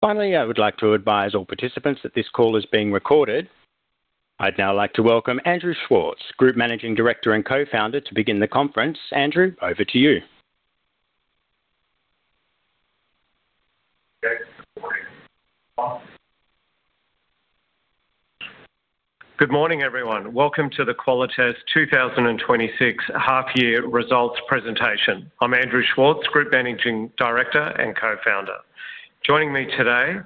Finally, I would like to advise all participants that this call is being recorded. I'd now like to welcome Andrew Schwartz, Group Managing Director and Co-founder, to begin the conference. Andrew, over to you. Good morning, everyone. Welcome to the Qualitas 2026 half year results presentation. I'm Andrew Schwartz, Group Managing Director and Co-founder. Joining me today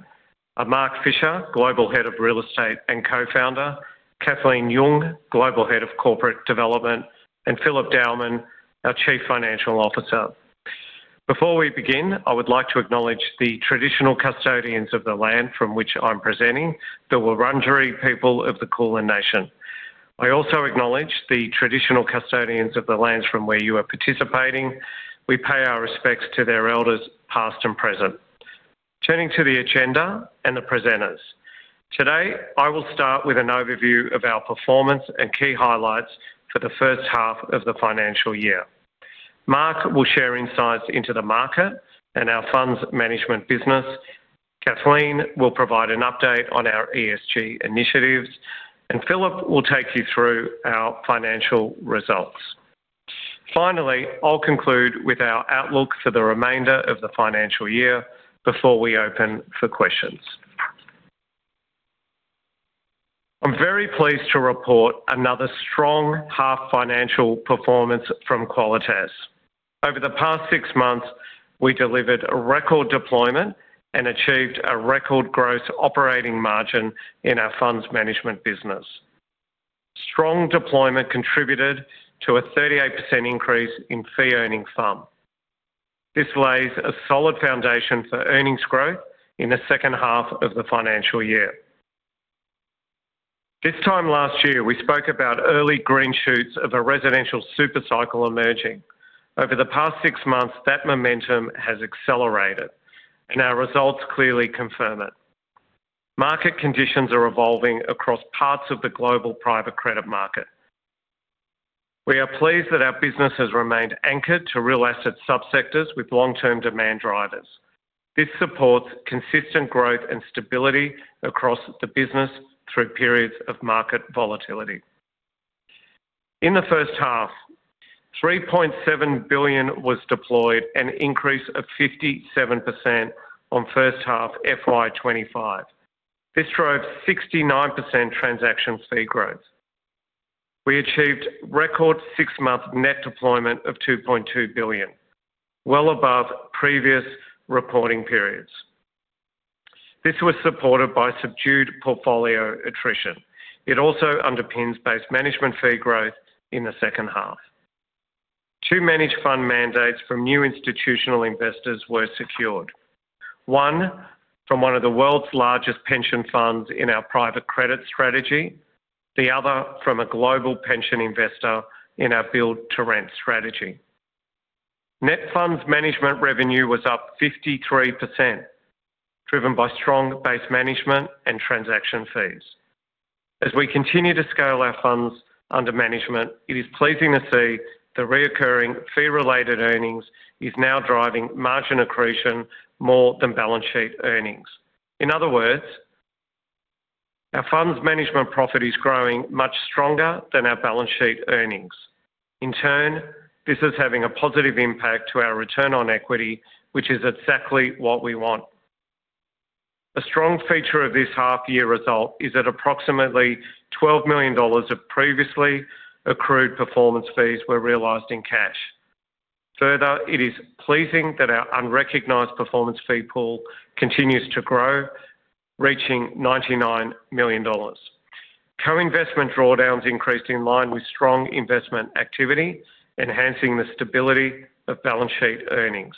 are Mark Fischer, Global Head of Real Estate and Co-founder, Kathleen Yeung, Global Head of Corporate Development, and Philip Dowman, our Chief Financial Officer. Before we begin, I would like to acknowledge the traditional custodians of the land from which I'm presenting, the Wurundjeri people of the Kulin nation. I also acknowledge the traditional custodians of the lands from where you are participating. We pay our respects to their elders, past and present. Turning to the agenda and the presenters. Today, I will start with an overview of our performance and key highlights for the first half of the financial year. Mark will share insights into the market and our funds management business. Kathleen will provide an update on our ESG initiatives, and Philip will take you through our financial results. Finally, I'll conclude with our outlook for the remainder of the financial year before we open for questions. I'm very pleased to report another strong half financial performance from Qualitas. Over the past six months, we delivered a record deployment and achieved a record gross operating margin in our funds management business. Strong deployment contributed to a 38% increase in fee-earning FUM. This lays a solid foundation for earnings growth in the second half of the financial year. This time last year, we spoke about early green shoots of a residential super cycle emerging. Over the past six months, that momentum has accelerated, and our results clearly confirm it. Market conditions are evolving across parts of the global private credit market. We are pleased that our business has remained anchored to real asset subsectors with long-term demand drivers. This supports consistent growth and stability across the business through periods of market volatility. In the first half, 3.7 billion was deployed, an increase of 57% on first half FY 2025. This drove 69% transaction fee growth. We achieved record six-month net deployment of 2.2 billion, well above previous reporting periods. This was supported by subdued portfolio attrition. It also underpins base management fee growth in the second half. Two managed fund mandates from new institutional investors were secured. One, from one of the world's largest pension funds in our private credit strategy, the other from a global pension investor in our build-to-rent strategy. Net funds management revenue was up 53%, driven by strong base management and transaction fees. As we continue to scale our funds under management, it is pleasing to see the recurring fee-related earnings is now driving margin accretion more than balance sheet earnings. In other words, our funds management profit is growing much stronger than our balance sheet earnings. In turn, this is having a positive impact to our return on equity, which is exactly what we want. A strong feature of this half year result is that approximately 12 million dollars of previously accrued performance fees were realized in cash. Further, it is pleasing that our unrecognized performance fee pool continues to grow, reaching 99 million dollars. Co-investment drawdowns increased in line with strong investment activity, enhancing the stability of balance sheet earnings.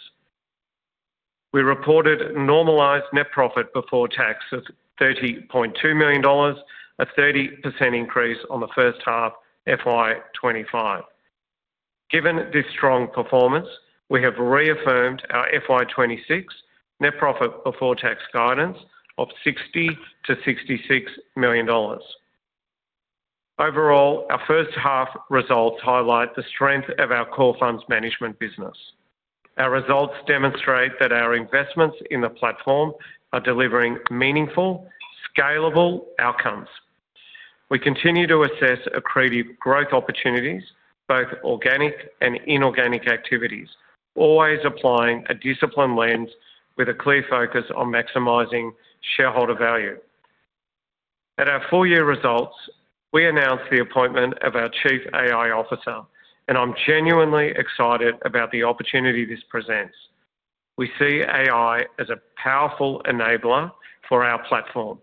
We reported normalized net profit before tax of 30.2 million dollars, a 30% increase on the first half FY 2025. Given this strong performance, we have reaffirmed our FY 2026 net profit before tax guidance of 60 million-66 million dollars. Overall, our first half results highlight the strength of our core funds management business. Our results demonstrate that our investments in the platform are delivering meaningful, scalable outcomes. We continue to assess accretive growth opportunities, both organic and inorganic activities, always applying a disciplined lens with a clear focus on maximizing shareholder value. At our full year results, we announced the appointment of our Chief AI Officer, and I'm genuinely excited about the opportunity this presents. We see AI as a powerful enabler for our platform,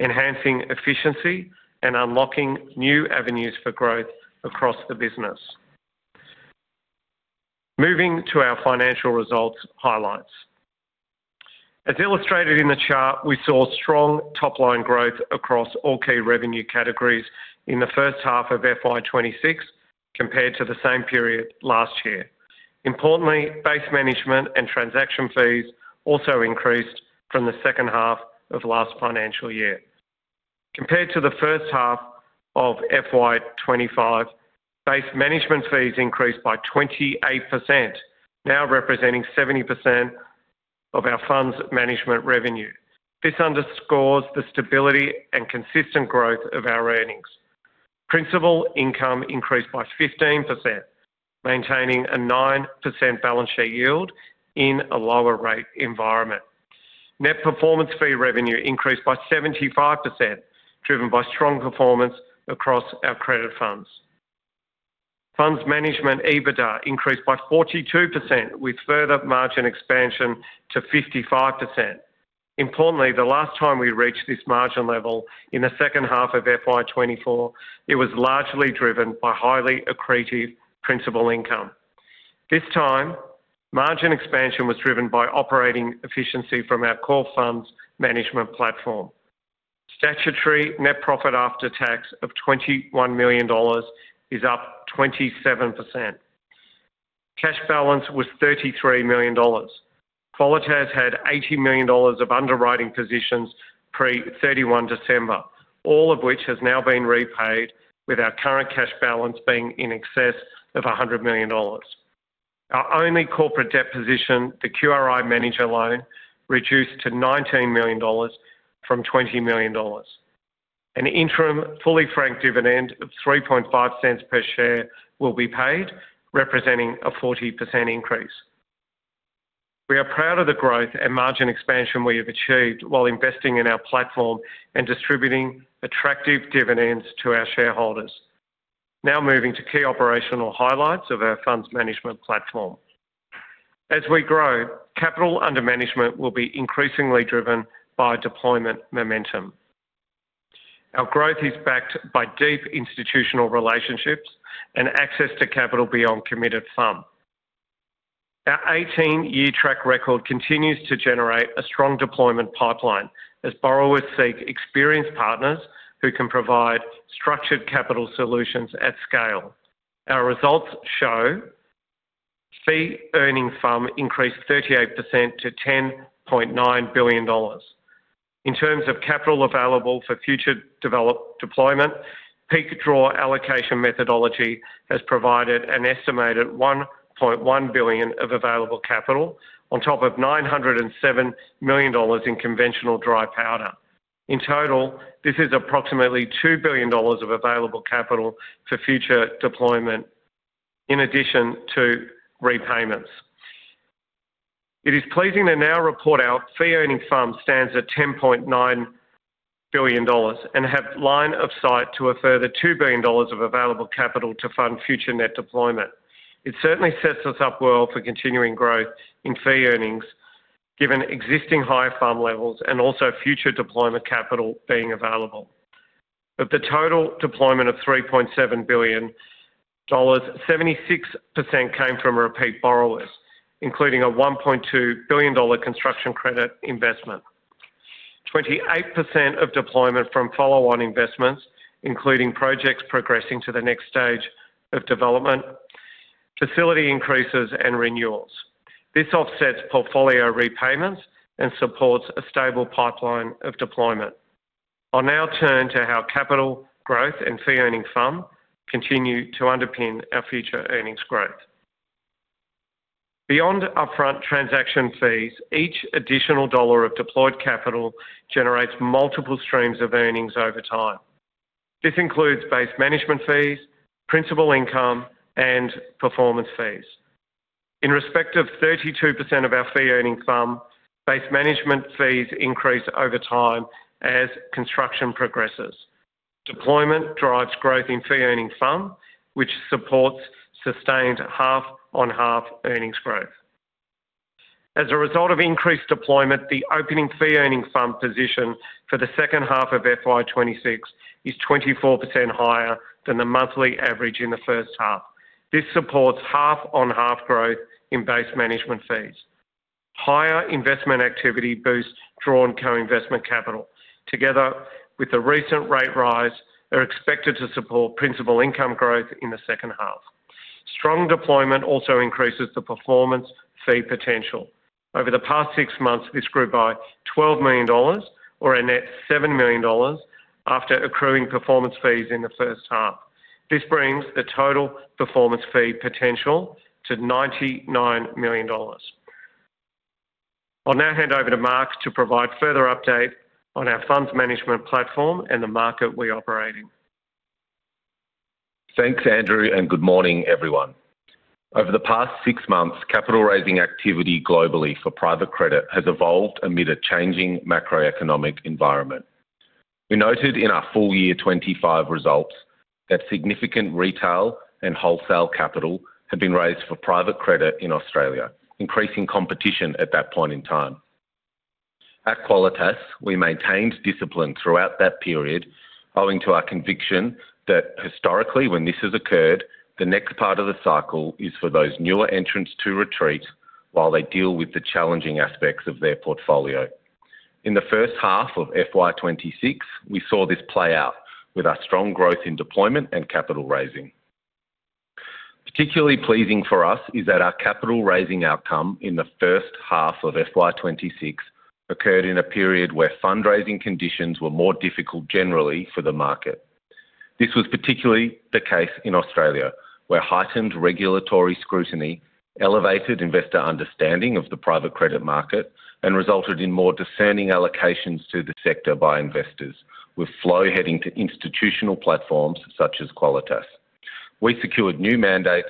enhancing efficiency and unlocking new avenues for growth across the business. Moving to our financial results highlights. As illustrated in the chart, we saw strong top-line growth across all key revenue categories in the first half of FY 2026 compared to the same period last year. Importantly, base management and transaction fees also increased from the second half of last financial year.... compared to the first half of FY 2025, base management fees increased by 28%, now representing 70% of our funds management revenue. This underscores the stability and consistent growth of our earnings. Principal income increased by 15%, maintaining a 9% balance share yield in a lower rate environment. Net performance fee revenue increased by 75%, driven by strong performance across our credit funds. Funds management EBITDA increased by 42%, with further margin expansion to 55%. Importantly, the last time we reached this margin level in the second half of FY 2024, it was largely driven by highly accretive principal income. This time, margin expansion was driven by operating efficiency from our core funds management platform. Statutory net profit after tax of 21 million dollars is up 27%. Cash balance was 33 million dollars. Qualitas had 80 million dollars of underwriting positions pre 31 December, all of which has now been repaid, with our current cash balance being in excess of 100 million dollars. Our only corporate debt position, the QRI manager loan, reduced to 19 million dollars from 20 million dollars. An interim fully franked dividend of 0.035 per share will be paid, representing a 40% increase. We are proud of the growth and margin expansion we have achieved while investing in our platform and distributing attractive dividends to our shareholders. Now moving to key operational highlights of our funds management platform. As we grow, capital under management will be increasingly driven by deployment momentum. Our growth is backed by deep institutional relationships and access to capital beyond committed sum. Our 18-year track record continues to generate a strong deployment pipeline as borrowers seek experienced partners who can provide structured capital solutions at scale. Our results show fee-earning FUM increased 38% to 10.9 billion dollars. In terms of capital available for future develop deployment, peak draw allocation methodology has provided an estimated 1.1 billion of available capital, on top of 907 million dollars in conventional dry powder. In total, this is approximately 2 billion dollars of available capital for future deployment in addition to repayments. It is pleasing to now report our fee-earning FUM stands at 10.9 billion dollars and have line of sight to a further 2 billion dollars of available capital to fund future net deployment. It certainly sets us up well for continuing growth in fee earnings, given existing high FUM levels and also future deployment capital being available. Of the total deployment of 3.7 billion dollars, 76% came from repeat borrowers, including a 1.2 billion-dollar construction credit investment. 28% of deployment from follow-on investments, including projects progressing to the next stage of development, facility increases, and renewals. This offsets portfolio repayments and supports a stable pipeline of deployment. I'll now turn to how capital growth and fee-earning FUM continue to underpin our future earnings growth. Beyond upfront transaction fees, each additional dollar of deployed capital generates multiple streams of earnings over time. This includes base management fees, principal income, and performance fees. In respect of 32% of our fee-earning FUM, base management fees increase over time as construction progresses. Deployment drives growth in fee-earning FUM, which supports sustained half-on-half earnings growth. As a result of increased deployment, the opening fee-earning FUM position for the second half of FY 2026 is 24% higher than the monthly average in the first half. This supports half-on-half growth in base management fees. Higher investment activity boosts drawn co-investment capital, together with the recent rate rise, are expected to support principal income growth in the second half. Strong deployment also increases the performance fee potential. Over the past six months, this grew by 12 million dollars or a net 7 million dollars after accruing performance fees in the first half. This brings the total performance fee potential to 99 million dollars. I'll now hand over to Mark to provide further update on our funds management platform and the market we operate in. Thanks, Andrew, and good morning, everyone. Over the past six months, capital raising activity globally for private credit has evolved amid a changing macroeconomic environment. We noted in our full year 2025 results that significant retail and wholesale capital had been raised for private credit in Australia, increasing competition at that point in time. At Qualitas, we maintained discipline throughout that period, owing to our conviction that historically, when this has occurred, the next part of the cycle is for those newer entrants to retreat while they deal with the challenging aspects of their portfolio. In the first half of FY 2026, we saw this play out with our strong growth in deployment and capital raising. Particularly pleasing for us is that our capital raising outcome in the first half of FY 2026 occurred in a period where fundraising conditions were more difficult generally for the market. This was particularly the case in Australia, where heightened regulatory scrutiny elevated investor understanding of the private credit market and resulted in more discerning allocations to the sector by investors, with flow heading to institutional platforms such as Qualitas. We secured new mandates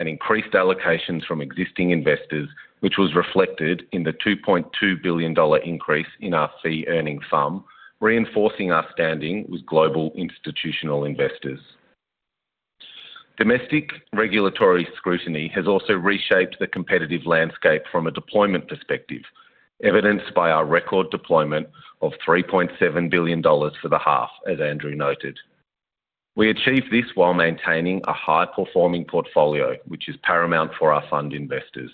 and increased allocations from existing investors, which was reflected in the 2.2 billion dollar increase in our fee-earning FUM, reinforcing our standing with global institutional investors. Domestic regulatory scrutiny has also reshaped the competitive landscape from a deployment perspective, evidenced by our record deployment of 3.7 billion dollars for the half as Andrew noted. We achieved this while maintaining a high-performing portfolio, which is paramount for our fund investors.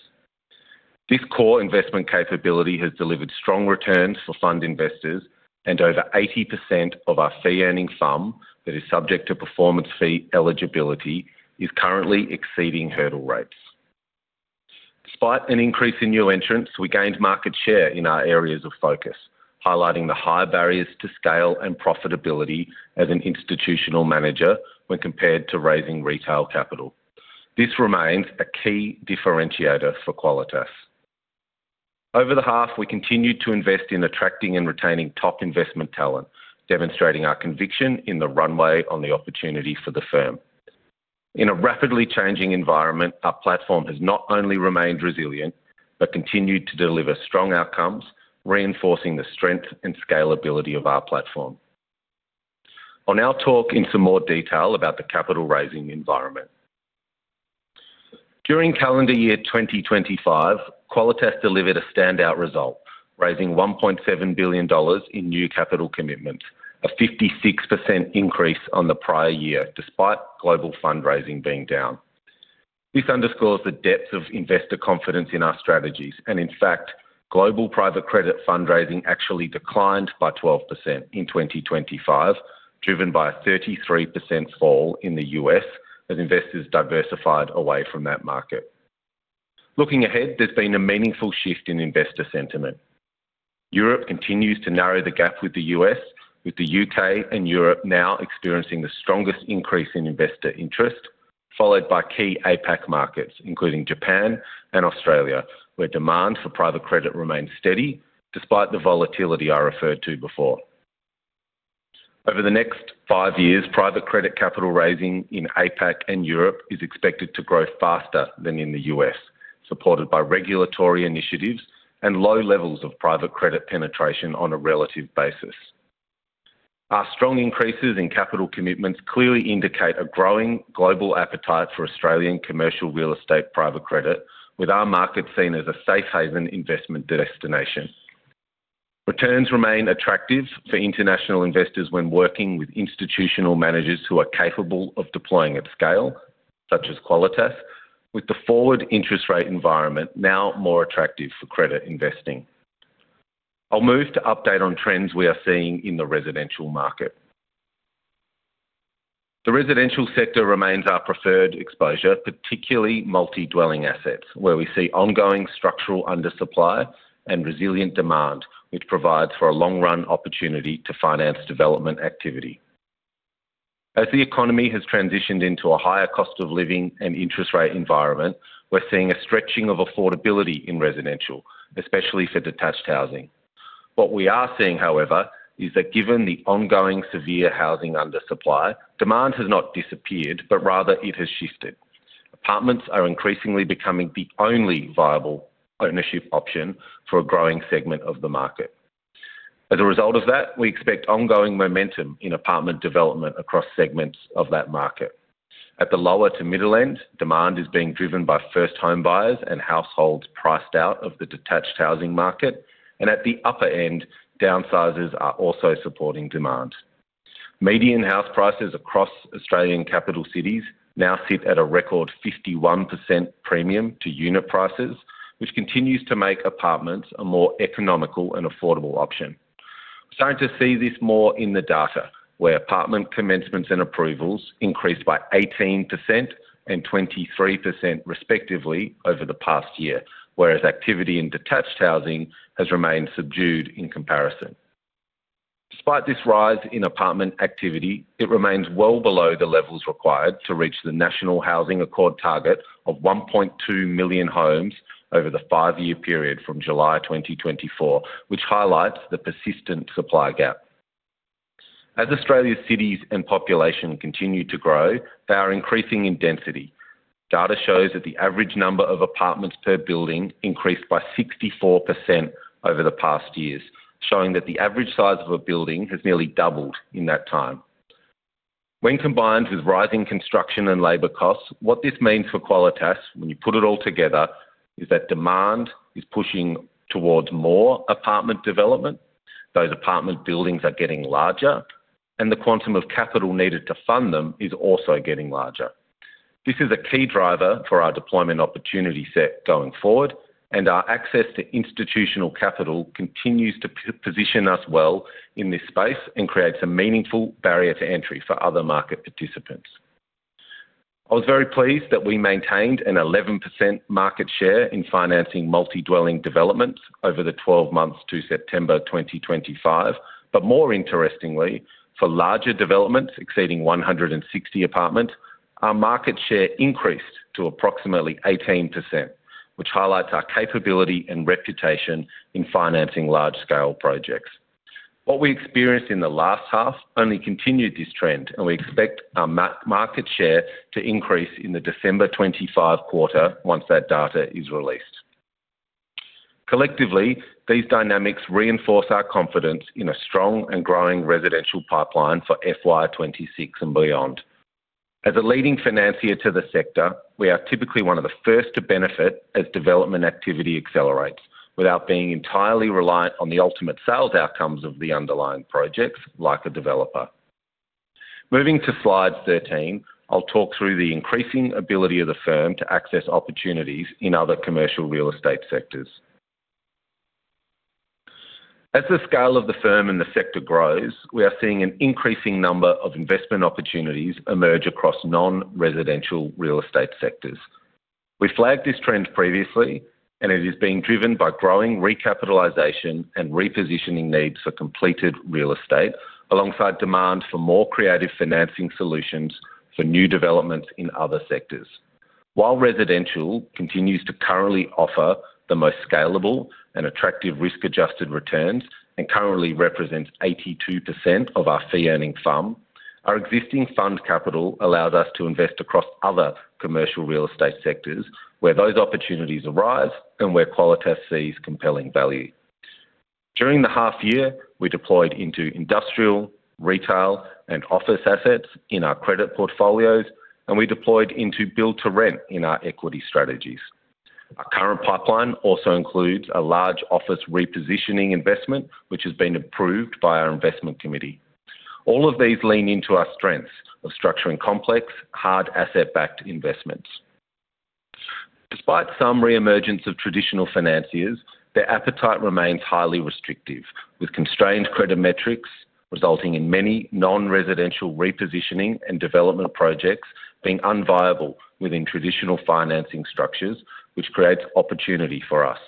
This core investment capability has delivered strong returns for fund investors, and over 80% of our fee-earning FUM that is subject to performance fee eligibility is currently exceeding hurdle rates. Despite an increase in new entrants, we gained market share in our areas of focus, highlighting the high barriers to scale and profitability as an institutional manager when compared to raising retail capital. This remains a key differentiator for Qualitas. Over the half, we continued to invest in attracting and retaining top investment talent, demonstrating our conviction in the runway on the opportunity for the firm. In a rapidly changing environment, our platform has not only remained resilient, but continued to deliver strong outcomes, reinforcing the strength and scalability of our platform. I'll now talk in some more detail about the capital raising environment. During calendar year 2025, Qualitas delivered a standout result, raising 1.7 billion dollars in new capital commitments, a 56% increase on the prior year, despite global fundraising being down. This underscores the depth of investor confidence in our strategies, and in fact, global private credit fundraising actually declined by 12% in 2025, driven by a 33% fall in the U.S. as investors diversified away from that market. Looking ahead, there's been a meaningful shift in investor sentiment. Europe continues to narrow the gap with the U.S., with the U.K. and Europe now experiencing the strongest increase in investor interest, followed by key APAC markets, including Japan and Australia, where demand for private credit remains steady despite the volatility I referred to before. Over the next five years, private credit capital raising in APAC and Europe is expected to grow faster than in the U.S., supported by regulatory initiatives and low levels of private credit penetration on a relative basis. Our strong increases in capital commitments clearly indicate a growing global appetite for Australian commercial real estate private credit, with our market seen as a safe haven investment destination. Returns remain attractive for international investors when working with institutional managers who are capable of deploying at scale, such as Qualitas, with the forward interest rate environment now more attractive for credit investing. I'll move to update on trends we are seeing in the residential market. The residential sector remains our preferred exposure, particularly multi-dwelling assets, where we see ongoing structural undersupply and resilient demand, which provides for a long run opportunity to finance development activity. As the economy has transitioned into a higher cost of living and interest rate environment, we're seeing a stretching of affordability in residential, especially for detached housing. What we are seeing, however, is that given the ongoing severe housing undersupply, demand has not disappeared, but rather it has shifted. Apartments are increasingly becoming the only viable ownership option for a growing segment of the market. As a result of that, we expect ongoing momentum in apartment development across segments of that market. At the lower to middle end, demand is being driven by first-time buyers and households priced out of the detached housing market, and at the upper end, downsizers are also supporting demand. Median house prices across Australian capital cities now sit at a record 51% premium to unit prices, which continues to make apartments a more economical and affordable option. Starting to see this more in the data, where apartment commencements and approvals increased by 18% and 23% respectively over the past year, whereas activity in detached housing has remained subdued in comparison. Despite this rise in apartment activity, it remains well below the levels required to reach the National Housing Accord target of 1.2 million homes over the five-year period from July 2024, which highlights the persistent supply gap. As Australia's cities and population continue to grow, they are increasing in density. Data shows that the average number of apartments per building increased by 64% over the past years, showing that the average size of a building has nearly doubled in that time. When combined with rising construction and labor costs, what this means for Qualitas, when you put it all together, is that demand is pushing towards more apartment development. Those apartment buildings are getting larger, and the quantum of capital needed to fund them is also getting larger. This is a key driver for our deployment opportunity set going forward, and our access to institutional capital continues to position us well in this space and creates a meaningful barrier to entry for other market participants. I was very pleased that we maintained an 11% market share in financing multi-dwelling developments over the 12 months to September 2025. More interestingly, for larger developments exceeding 160 apartments, our market share increased to approximately 18%, which highlights our capability and reputation in financing large-scale projects. What we experienced in the last half only continued this trend, and we expect our market share to increase in the December 2025 quarter once that data is released. Collectively, these dynamics reinforce our confidence in a strong and growing residential pipeline for FY 2026 and beyond. As a leading financier to the sector, we are typically one of the first to benefit as development activity accelerates, without being entirely reliant on the ultimate sales outcomes of the underlying projects, like a developer. Moving to Slide 13, I'll talk through the increasing ability of the firm to access opportunities in other commercial real estate sectors. As the scale of the firm and the sector grows, we are seeing an increasing number of investment opportunities emerge across non-residential real estate sectors. We flagged this trend previously, and it is being driven by growing recapitalization and repositioning needs for completed real estate, alongside demand for more creative financing solutions for new developments in other sectors. While residential continues to currently offer the most scalable and attractive risk-adjusted returns and currently represents 82% of our fee-earning FUM, our existing fund capital allows us to invest across other commercial real estate sectors where those opportunities arise and where Qualitas sees compelling value. During the half year, we deployed into industrial, retail, and office assets in our credit portfolios, and we deployed into build-to-rent in our equity strategies. Our current pipeline also includes a large office repositioning investment, which has been approved by our investment committee. All of these lean into our strengths of structuring complex, hard asset-backed investments. Despite some reemergence of traditional financiers, their appetite remains highly restrictive, with constrained credit metrics resulting in many non-residential repositioning and development projects being unviable within traditional financing structures, which creates opportunity for us.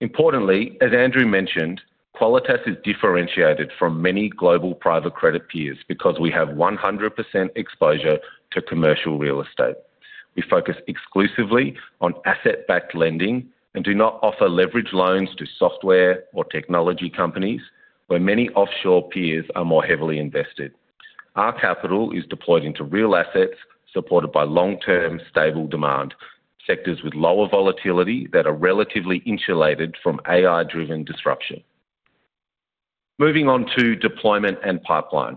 Importantly, as Andrew mentioned, Qualitas is differentiated from many global private credit peers because we have 100% exposure to commercial real estate. We focus exclusively on asset-backed lending and do not offer leverage loans to software or technology companies, where many offshore peers are more heavily invested. Our capital is deployed into real assets, supported by long-term, stable demand, sectors with lower volatility that are relatively insulated from AI-driven disruption. Moving on to deployment and pipeline.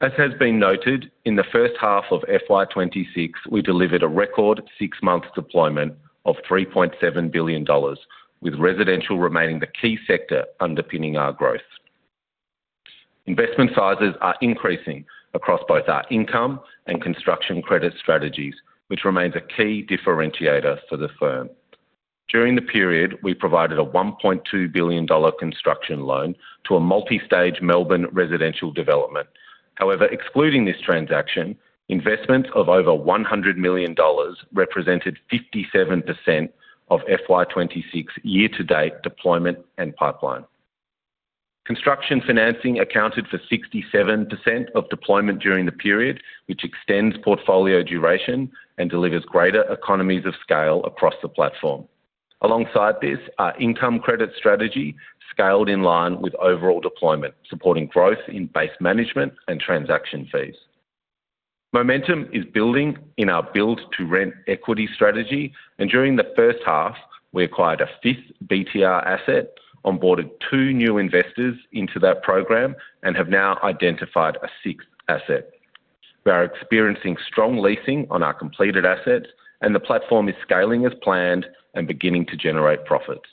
As has been noted, in the first half of FY 2026, we delivered a record six-month deployment of 3.7 billion dollars, with residential remaining the key sector underpinning our growth. Investment sizes are increasing across both our income and construction credit strategies, which remains a key differentiator for the firm. During the period, we provided a 1.2 billion dollar construction loan to a multi-stage Melbourne residential development. However, excluding this transaction, investments of over 100 million dollars represented 57% of FY 2026 year-to-date deployment and pipeline. Construction financing accounted for 67% of deployment during the period, which extends portfolio duration and delivers greater economies of scale across the platform. Alongside this, our income credit strategy scaled in line with overall deployment, supporting growth in base management and transaction fees. Momentum is building in our build-to-rent equity strategy, and during the first half, we acquired a fifth BTR asset, onboarded two new investors into that program, and have now identified a sixth asset. We are experiencing strong leasing on our completed assets, and the platform is scaling as planned and beginning to generate profits.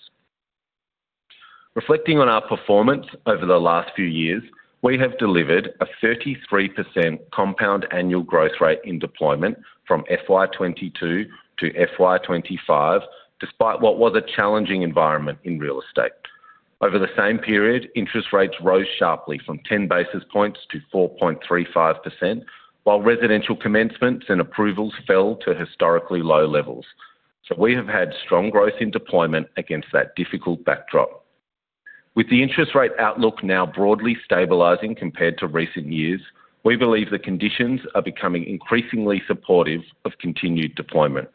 Reflecting on our performance over the last few years, we have delivered a 33% compound annual growth rate in deployment from FY 2022 to FY 2025, despite what was a challenging environment in real estate. Over the same period, interest rates rose sharply from 10 basis points to 4.35%, while residential commencements and approvals fell to historically low levels. We have had strong growth in deployment against that difficult backdrop. With the interest rate outlook now broadly stabilizing compared to recent years, we believe the conditions are becoming increasingly supportive of continued deployment.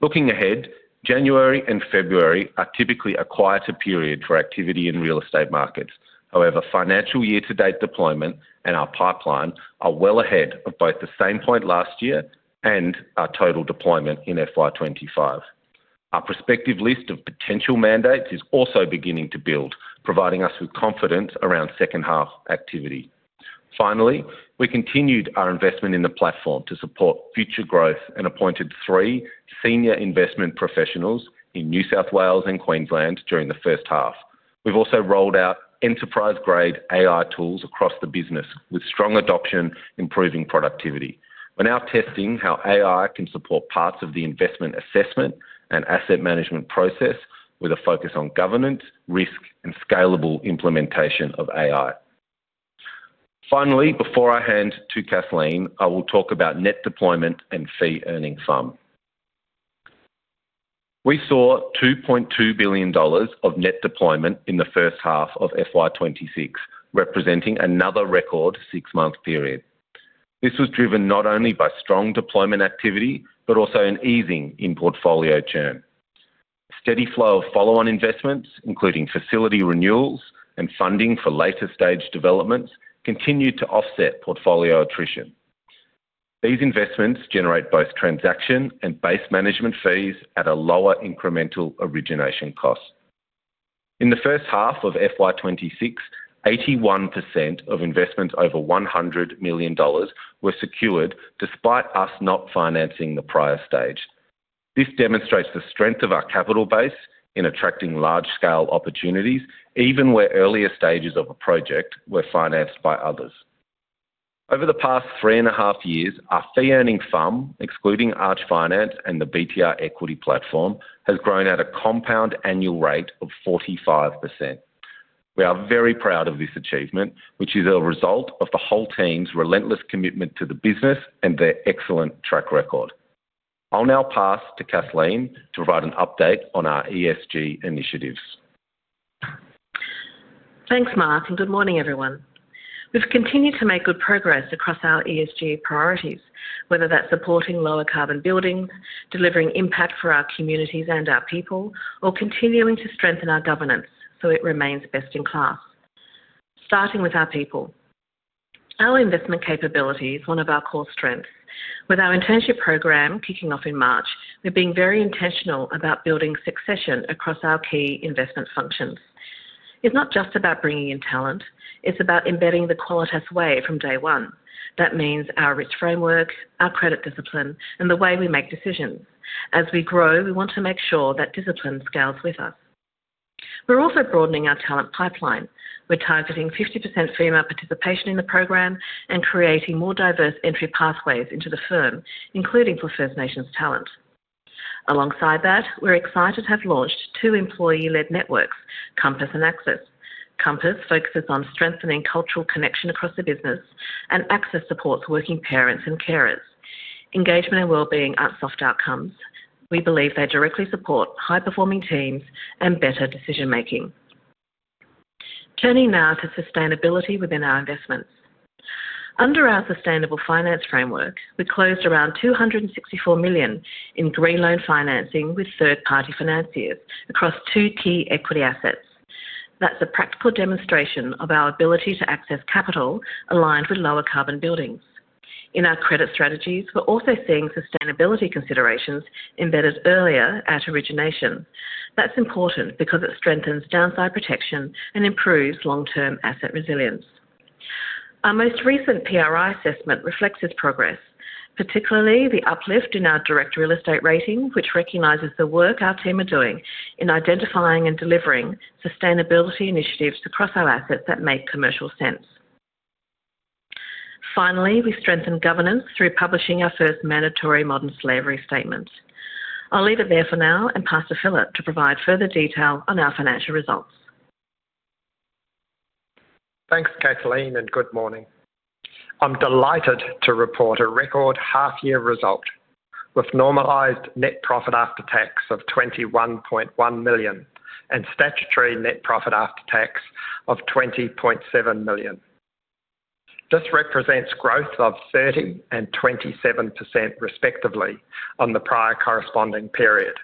Looking ahead, January and February are typically a quieter period for activity in real estate markets. However, financial year-to-date deployment and our pipeline are well ahead of both the same point last year and our total deployment in FY 2025. Our prospective list of potential mandates is also beginning to build, providing us with confidence around second half activity. Finally, we continued our investment in the platform to support future growth and appointed three senior investment professionals in New South Wales and Queensland during the first half. We've also rolled out enterprise-grade AI tools across the business, with strong adoption improving productivity. We're now testing how AI can support parts of the investment assessment and asset management process, with a focus on governance, risk, and scalable implementation of AI. Finally, before I hand to Kathleen, I will talk about net deployment and fee-earning FUM. We saw 2.2 billion dollars of net deployment in the first half of FY 2026, representing another record six-month period. This was driven not only by strong deployment activity, but also an easing in portfolio churn. Steady flow of follow-on investments, including facility renewals and funding for later stage developments, continued to offset portfolio attrition. These investments generate both transaction and base management fees at a lower incremental origination cost. In the first half of FY 2026, 81% of investments over 100 million dollars were secured, despite us not financing the prior stage. This demonstrates the strength of our capital base in attracting large-scale opportunities, even where earlier stages of a project were financed by others. Over the past three and a half years, our fee-earning FUM, excluding Arch Finance and the BTR equity platform, has grown at a compound annual rate of 45%. We are very proud of this achievement, which is a result of the whole team's relentless commitment to the business and their excellent track record. I'll now pass to Kathleen to provide an update on our ESG initiatives. Thanks, Mark, and good morning, everyone. We've continued to make good progress across our ESG priorities, whether that's supporting lower carbon buildings, delivering impact for our communities and our people, or continuing to strengthen our governance so it remains best in class. Starting with our people. Our investment capability is one of our core strengths. With our internship program kicking off in March, we're being very intentional about building succession across our key investment functions. It's not just about bringing in talent, it's about embedding the Qualitas way from day one. That means our rich framework, our credit discipline, and the way we make decisions. As we grow, we want to make sure that discipline scales with us. We're also broadening our talent pipeline. We're targeting 50% female participation in the program and creating more diverse entry pathways into the firm, including for First Nations talent. Alongside that, we're excited to have launched two employee-led networks, Compass and Access. Compass focuses on strengthening cultural connection across the business, and Access supports working parents and carers. Engagement and wellbeing aren't soft outcomes. We believe they directly support high-performing teams and better decision-making. Turning now to sustainability within our investments. Under our sustainable finance framework, we closed around 264 million in green loan financing with third-party financiers across two key equity assets. That's a practical demonstration of our ability to access capital aligned with lower carbon buildings. In our credit strategies, we're also seeing sustainability considerations embedded earlier at origination. That's important because it strengthens downside protection and improves long-term asset resilience. Our most recent PRI assessment reflects this progress, particularly the uplift in our direct real estate rating, which recognizes the work our team are doing in identifying and delivering sustainability initiatives across our assets that make commercial sense. Finally, we strengthened governance through publishing our first mandatory modern slavery statement. I'll leave it there for now and pass to Philip to provide further detail on our financial results. Thanks, Kathleen, and good morning. I'm delighted to report a record half-year result with normalized net profit after tax of AUD 21.1 million and statutory net profit after tax of 20.7 million. This represents growth of 30% and 27%, respectively, on the prior corresponding period.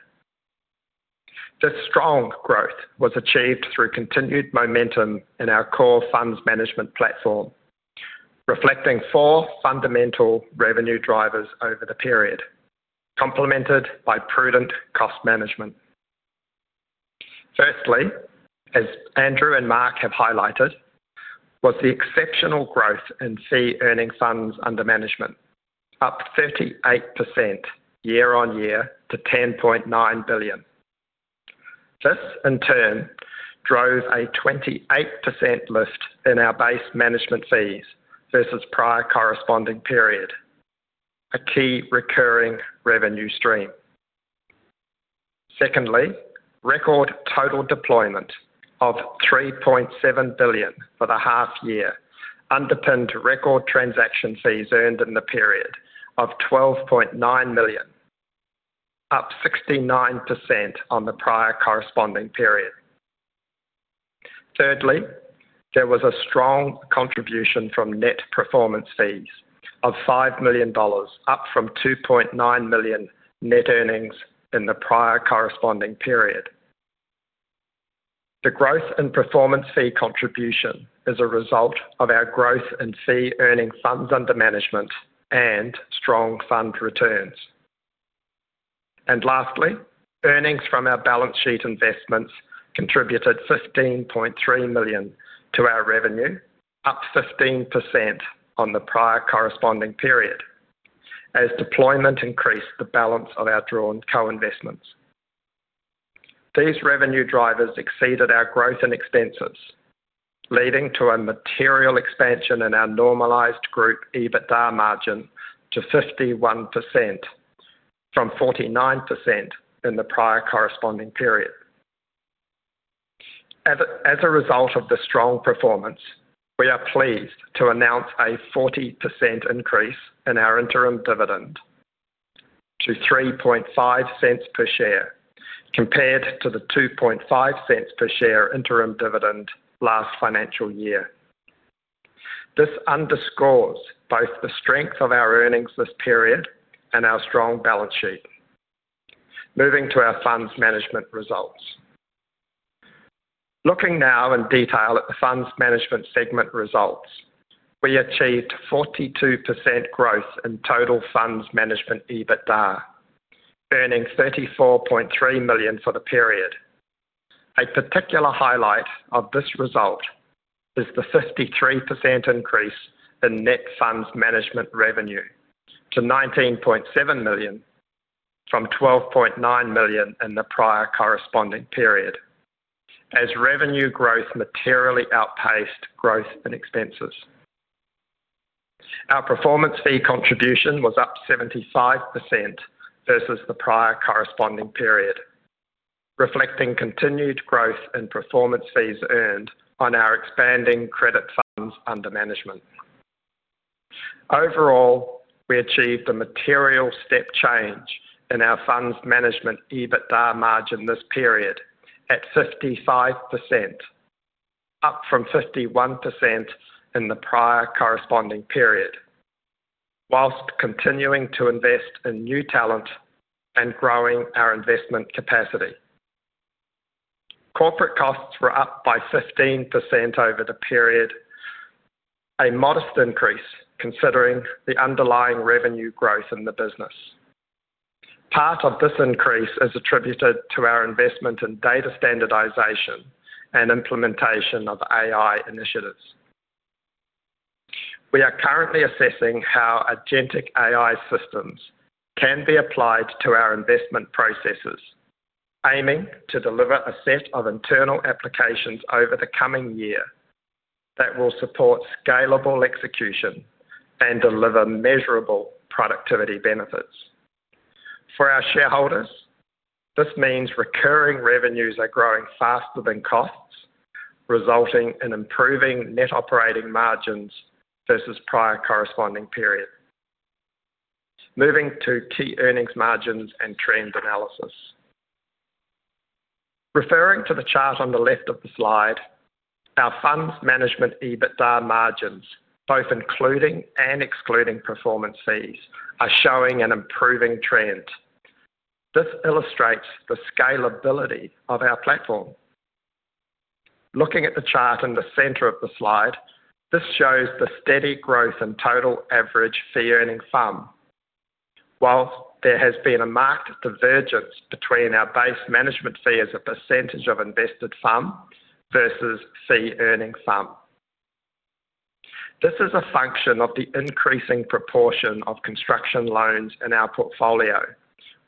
This strong growth was achieved through continued momentum in our core funds management platform, reflecting four fundamental revenue drivers over the period, complemented by prudent cost management. Firstly, as Andrew and Mark have highlighted, was the exceptional growth in fee earning funds under management, up 38% year-on-year to 10.9 billion. This, in turn, drove a 28% lift in our base management fees versus prior corresponding period, a key recurring revenue stream. Secondly, record total deployment of 3.7 billion for the half year, underpinned record transaction fees earned in the period of 12.9 million, up 69% on the prior corresponding period. Thirdly, there was a strong contribution from net performance fees of 5 million dollars, up from 2.9 million net earnings in the prior corresponding period. The growth in performance fee contribution is a result of our growth in fee-earning funds under management and strong fund returns. And lastly, earnings from our balance sheet investments contributed 15.3 million to our revenue, up 15% on the prior corresponding period, as deployment increased the balance of our drawn co-investments. These revenue drivers exceeded our growth and expenses, leading to a material expansion in our normalized group EBITDA margin to 51% from 49% in the prior corresponding period. As a result of the strong performance, we are pleased to announce a 40% increase in our interim dividend to 0.035 per share, compared to the 0.025 per share interim dividend last financial year. This underscores both the strength of our earnings this period and our strong balance sheet. Moving to our funds management results. Looking now in detail at the funds management segment results, we achieved 42% growth in total funds management EBITDA, earning 34.3 million for the period. A particular highlight of this result is the 53% increase in net funds management revenue to 19.7 million, from 12.9 million in the prior corresponding period, as revenue growth materially outpaced growth and expenses. Our performance fee contribution was up 75% versus the prior corresponding period, reflecting continued growth in performance fees earned on our expanding credit funds under management. Overall, we achieved a material step change in our funds management EBITDA margin this period at 55%, up from 51% in the prior corresponding period, whilst continuing to invest in new talent and growing our investment capacity. Corporate costs were up by 15% over the period, a modest increase considering the underlying revenue growth in the business. Part of this increase is attributed to our investment in data standardization and implementation of AI initiatives. We are currently assessing how agentic AI systems can be applied to our investment processes, aiming to deliver a set of internal applications over the coming year that will support scalable execution and deliver measurable productivity benefits. For our shareholders, this means recurring revenues are growing faster than costs, resulting in improving net operating margins versus prior corresponding period. Moving to key earnings margins and trend analysis. Referring to the chart on the left of the slide, our funds management EBITDA margins, both including and excluding performance fees, are showing an improving trend. This illustrates the scalability of our platform. Looking at the chart in the center of the slide, this shows the steady growth in total average fee-earning FUM. While there has been a marked divergence between our base management fee as a percentage of invested FUM versus fee-earning FUM. This is a function of the increasing proportion of construction loans in our portfolio,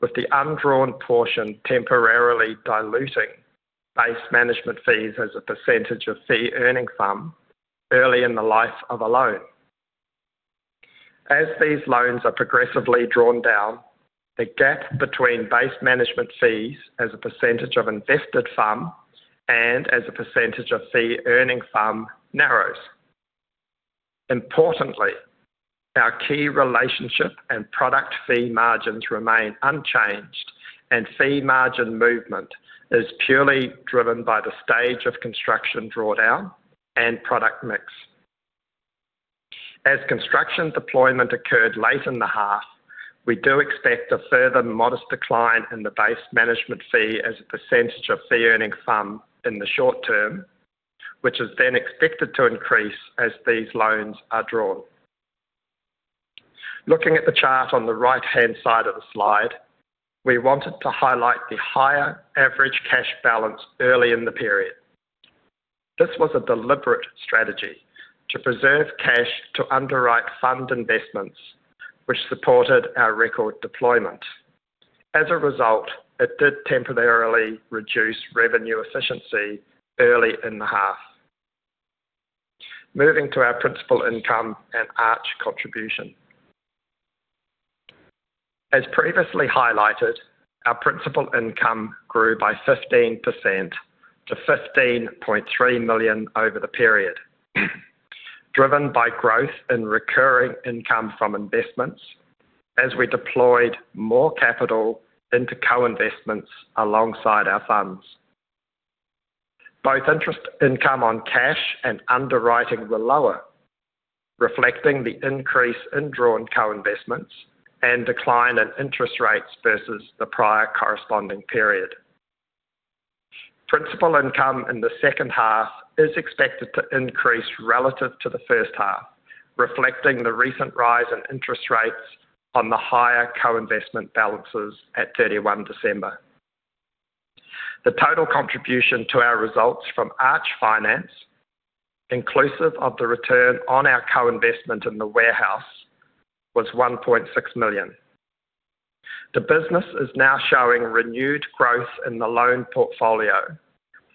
with the undrawn portion temporarily diluting base management fees as a percentage of fee-earning FUM early in the life of a loan. As these loans are progressively drawn down, the gap between base management fees as a percentage of invested FUM and as a percentage of fee-earning FUM narrows. Importantly, our key relationship and product fee margins remain unchanged, and fee margin movement is purely driven by the stage of construction drawdown and product mix. As construction deployment occurred late in the half, we do expect a further modest decline in the base management fee as a percentage of fee-earning FUM in the short term, which is then expected to increase as these loans are drawn. Looking at the chart on the right-hand side of the slide, we wanted to highlight the higher average cash balance early in the period. This was a deliberate strategy to preserve cash, to underwrite fund investments, which supported our record deployment. As a result, it did temporarily reduce revenue efficiency early in the half. Moving to our principal income and Arch contribution. As previously highlighted, our principal income grew by 15% to 15.3 million over the period, driven by growth in recurring income from investments as we deployed more capital into co-investments alongside our funds. Both interest income on cash and underwriting were lower, reflecting the increase in drawn co-investments and decline in interest rates versus the prior corresponding period. Principal income in the second half is expected to increase relative to the first half, reflecting the recent rise in interest rates on the higher co-investment balances at 31 December. The total contribution to our results from Arch Finance, inclusive of the return on our co-investment in the warehouse, was 1.6 million. The business is now showing renewed growth in the loan portfolio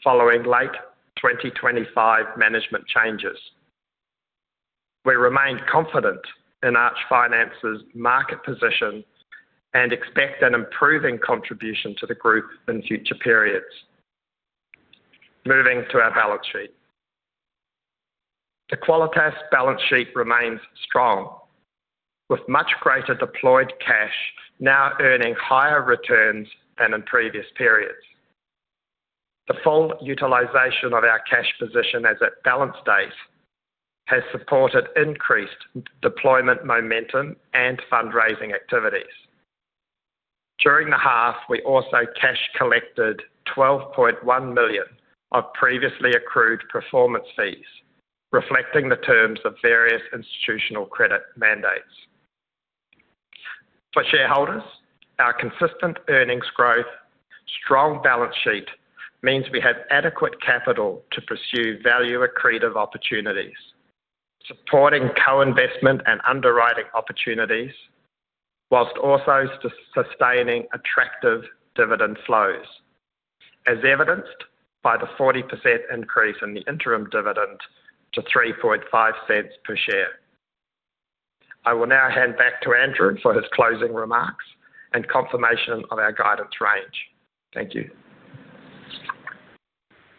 following late 2025 management changes. We remain confident in Arch Finance's market position and expect an improving contribution to the group in future periods. Moving to our balance sheet. The Qualitas balance sheet remains strong, with much greater deployed cash now earning higher returns than in previous periods. The full utilization of our cash position as at balance date has supported increased deployment, momentum, and fundraising activities. During the half, we also cash collected 12.1 million of previously accrued performance fees, reflecting the terms of various institutional credit mandates. For shareholders, our consistent earnings growth, strong balance sheet, means we have adequate capital to pursue value accretive opportunities, supporting co-investment and underwriting opportunities, whilst also sustaining attractive dividend flows, as evidenced by the 40% increase in the interim dividend to 0.035 per share. I will now hand back to Andrew for his closing remarks and confirmation of our guidance range. Thank you.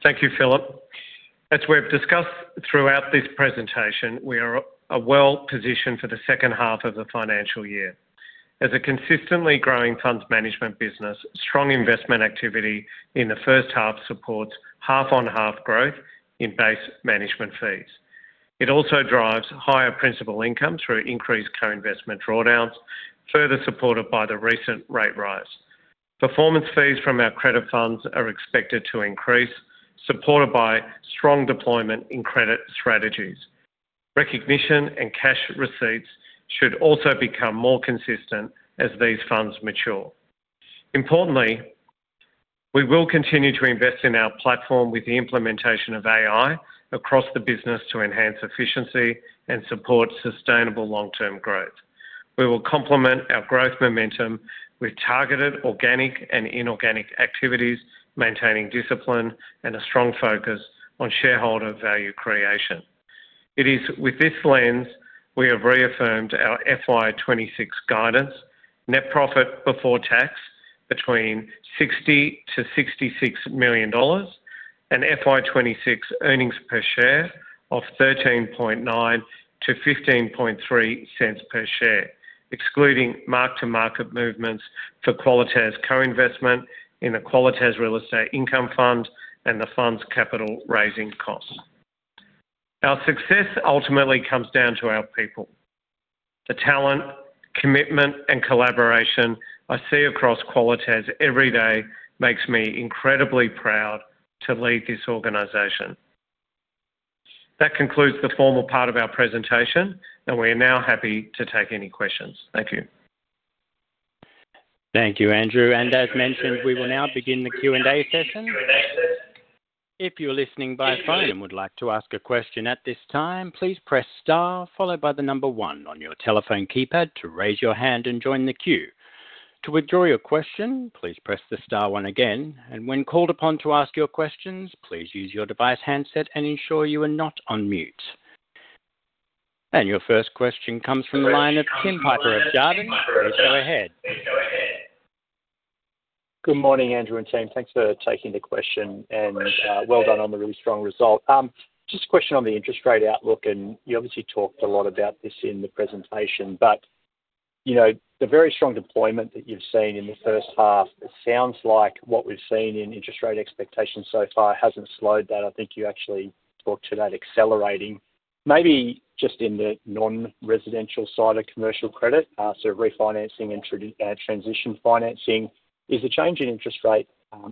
Thank you, Philip. As we've discussed throughout this presentation, we are well-positioned for the second half of the financial year. As a consistently growing funds management business, strong investment activity in the first half supports half-on-half growth in base management fees. It also drives higher principal income through increased co-investment drawdowns, further supported by the recent rate rise. Performance fees from our credit funds are expected to increase, supported by strong deployment in credit strategies. Recognition and cash receipts should also become more consistent as these funds mature. Importantly, we will continue to invest in our platform with the implementation of AI across the business to enhance efficiency and support sustainable long-term growth. We will complement our growth momentum with targeted organic and inorganic activities, maintaining discipline and a strong focus on shareholder value creation. It is with this lens, we have reaffirmed our FY 2026 guidance, net profit before tax between 60 million-66 million dollars, and FY 2026 earnings per share of 0.139-0.153 per share, excluding mark-to-market movements for Qualitas co-investment in the Qualitas Real Estate Income Fund and the fund's capital raising costs. Our success ultimately comes down to our people. The talent, commitment, and collaboration I see across Qualitas every day makes me incredibly proud to lead this organization. That concludes the formal part of our presentation, and we are now happy to take any questions. Thank you. Thank you, Andrew. And as mentioned, we will now begin the Q&A session. If you're listening by phone and would like to ask a question at this time, please press star followed by the number one on your telephone keypad to raise your hand and join the queue. To withdraw your question, please press the star one again, and when called upon to ask your questions, please use your device handset and ensure you are not on mute. And your first question comes from the line of Tim Piper of Jarden. Please go ahead. Good morning, Andrew and team. Thanks for taking the question, and well done on the really strong result. Just a question on the interest rate outlook, and you obviously talked a lot about this in the presentation, but you know, the very strong deployment that you've seen in the first half, it sounds like what we've seen in interest rate expectations so far hasn't slowed that. I think you actually talked to that accelerating. Maybe just in the non-residential side of commercial credit, so refinancing and transition financing, is the change in interest rate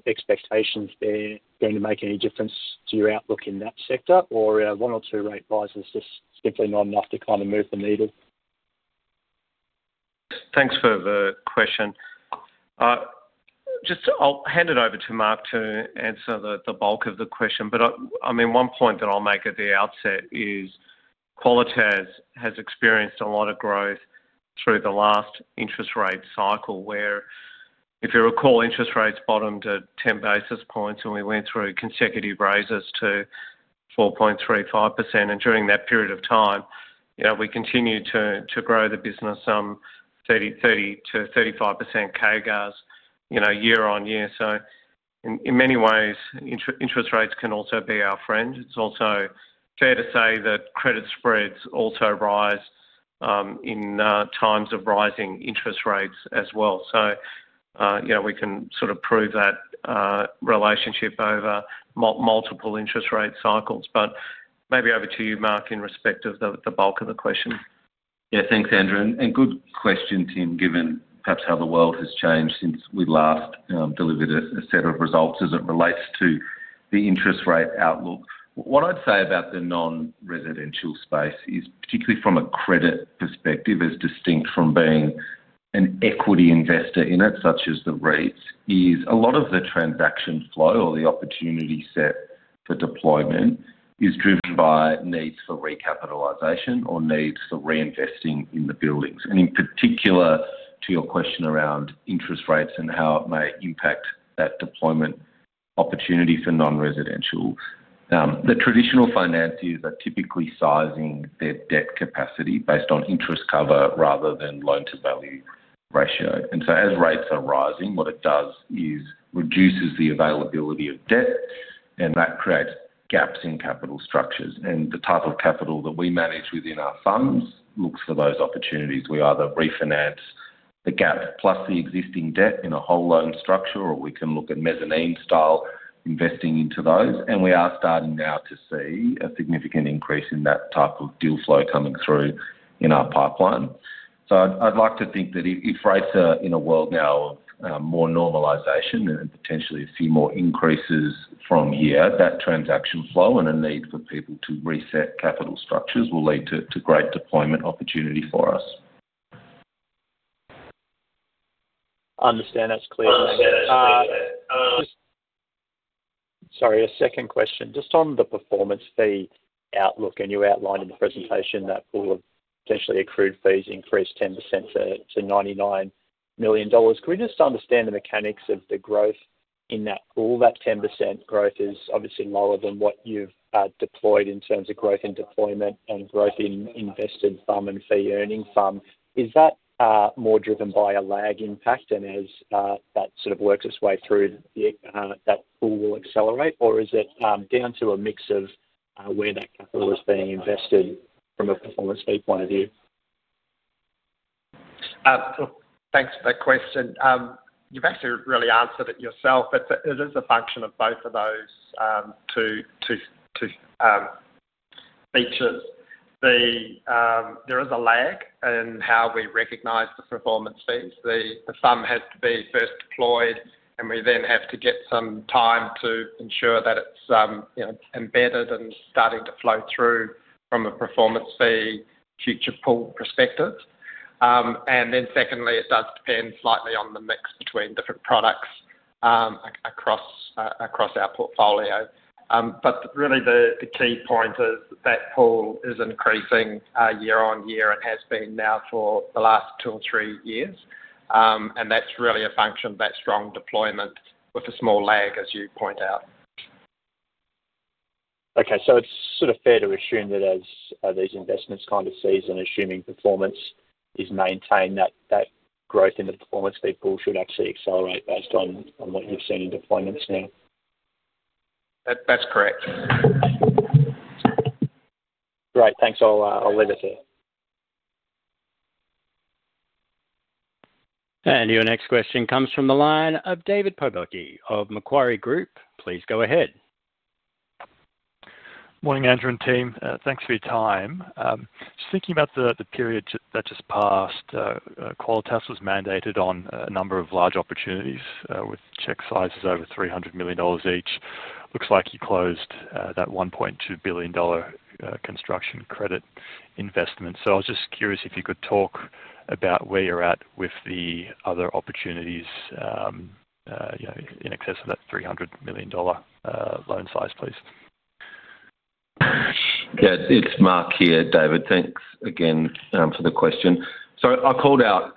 expectations there going to make any difference to your outlook in that sector, or are one or two rate rises just simply not enough to kind of move the needle? Thanks for the question. Just I'll hand it over to Mark to answer the bulk of the question, but I mean, one point that I'll make at the outset is Qualitas has experienced a lot of growth through the last interest rate cycle, where if you recall, interest rates bottomed at 10 basis points, and we went through consecutive raises to 4.35%. And during that period of time, you know, we continued to grow the business, 30%-35% CAGR, you know, year on year. So in many ways, interest rates can also be our friend. It's also fair to say that credit spreads also rise in times of rising interest rates as well. So, you know, we can sort of prove that relationship over multiple interest rate cycles, but maybe over to you, Mark, in respect of the bulk of the question. Yeah. Thanks, Andrew, and good question, Tim, given perhaps how the world has changed since we last delivered a set of results as it relates to the interest rate outlook. What I'd say about the non-residential space is, particularly from a credit perspective, as distinct from being an equity investor in it, such as the REITs, is a lot of the transaction flow or the opportunity set for deployment is driven by needs for recapitalization or needs for reinvesting in the buildings. And in particular, to your question around interest rates and how it may impact that deployment opportunity for non-residential. The traditional financiers are typically sizing their debt capacity based on interest cover rather than loan-to-value ratio. And so as rates are rising, what it does is reduces the availability of debt, and that creates gaps in capital structures. The type of capital that we manage within our funds looks for those opportunities. We either refinance the gap plus the existing debt in a whole loan structure, or we can look at mezzanine-style investing into those. And we are starting now to see a significant increase in that type of deal flow coming through in our pipeline. So I'd like to think that if rates are in a world now of more normalization and potentially a few more increases from here, that transaction flow and a need for people to reset capital structures will lead to great deployment opportunity for us. Understand. That's clear. Just... Sorry, a second question. Just on the performance fee outlook, and you outlined in the presentation that pool of potentially accrued fees increased 10% to 99 million dollars. Can we just understand the mechanics of the growth in that pool? That 10% growth is obviously lower than what you've deployed in terms of growth in deployment and growth in invested FUM and fee-earning FUM. Is that more driven by a lag impact, and as that sort of works its way through that pool will accelerate? Or is it down to a mix of where that capital is being invested from a performance fee point of view? Look, thanks for that question. You've actually really answered it yourself, but it is a function of both of those two features. There is a lag in how we recognize the performance fees. The FUM has to be first deployed, and we then have to get some time to ensure that it's you know, embedded and starting to flow through from a performance fee future pool perspective. And then secondly, it does depend slightly on the mix between different products across our portfolio. But really the key point is that pool is increasing year-on-year and has been now for the last two or three years. And that's really a function of that strong deployment with a small lag, as you point out. Okay, so it's sort of fair to assume that as these investments kind of season, assuming performance is maintained, that that growth in the performance fee pool should actually accelerate based on what you've seen in deployments now? That, that's correct. Great. Thanks. I'll, I'll leave it there. Your next question comes from the line of David Pobucky of Macquarie Group. Please go ahead. Morning, Andrew and team. Thanks for your time. Just thinking about the period that just passed, Qualitas was mandated on a number of large opportunities with check sizes over 300 million dollars each. Looks like you closed that 1.2 billion dollar construction credit investment. So I was just curious if you could talk about where you're at with the other opportunities, you know, in excess of that 300 million dollar loan size, please. Yeah, it's Mark here, David. Thanks again for the question. So I called out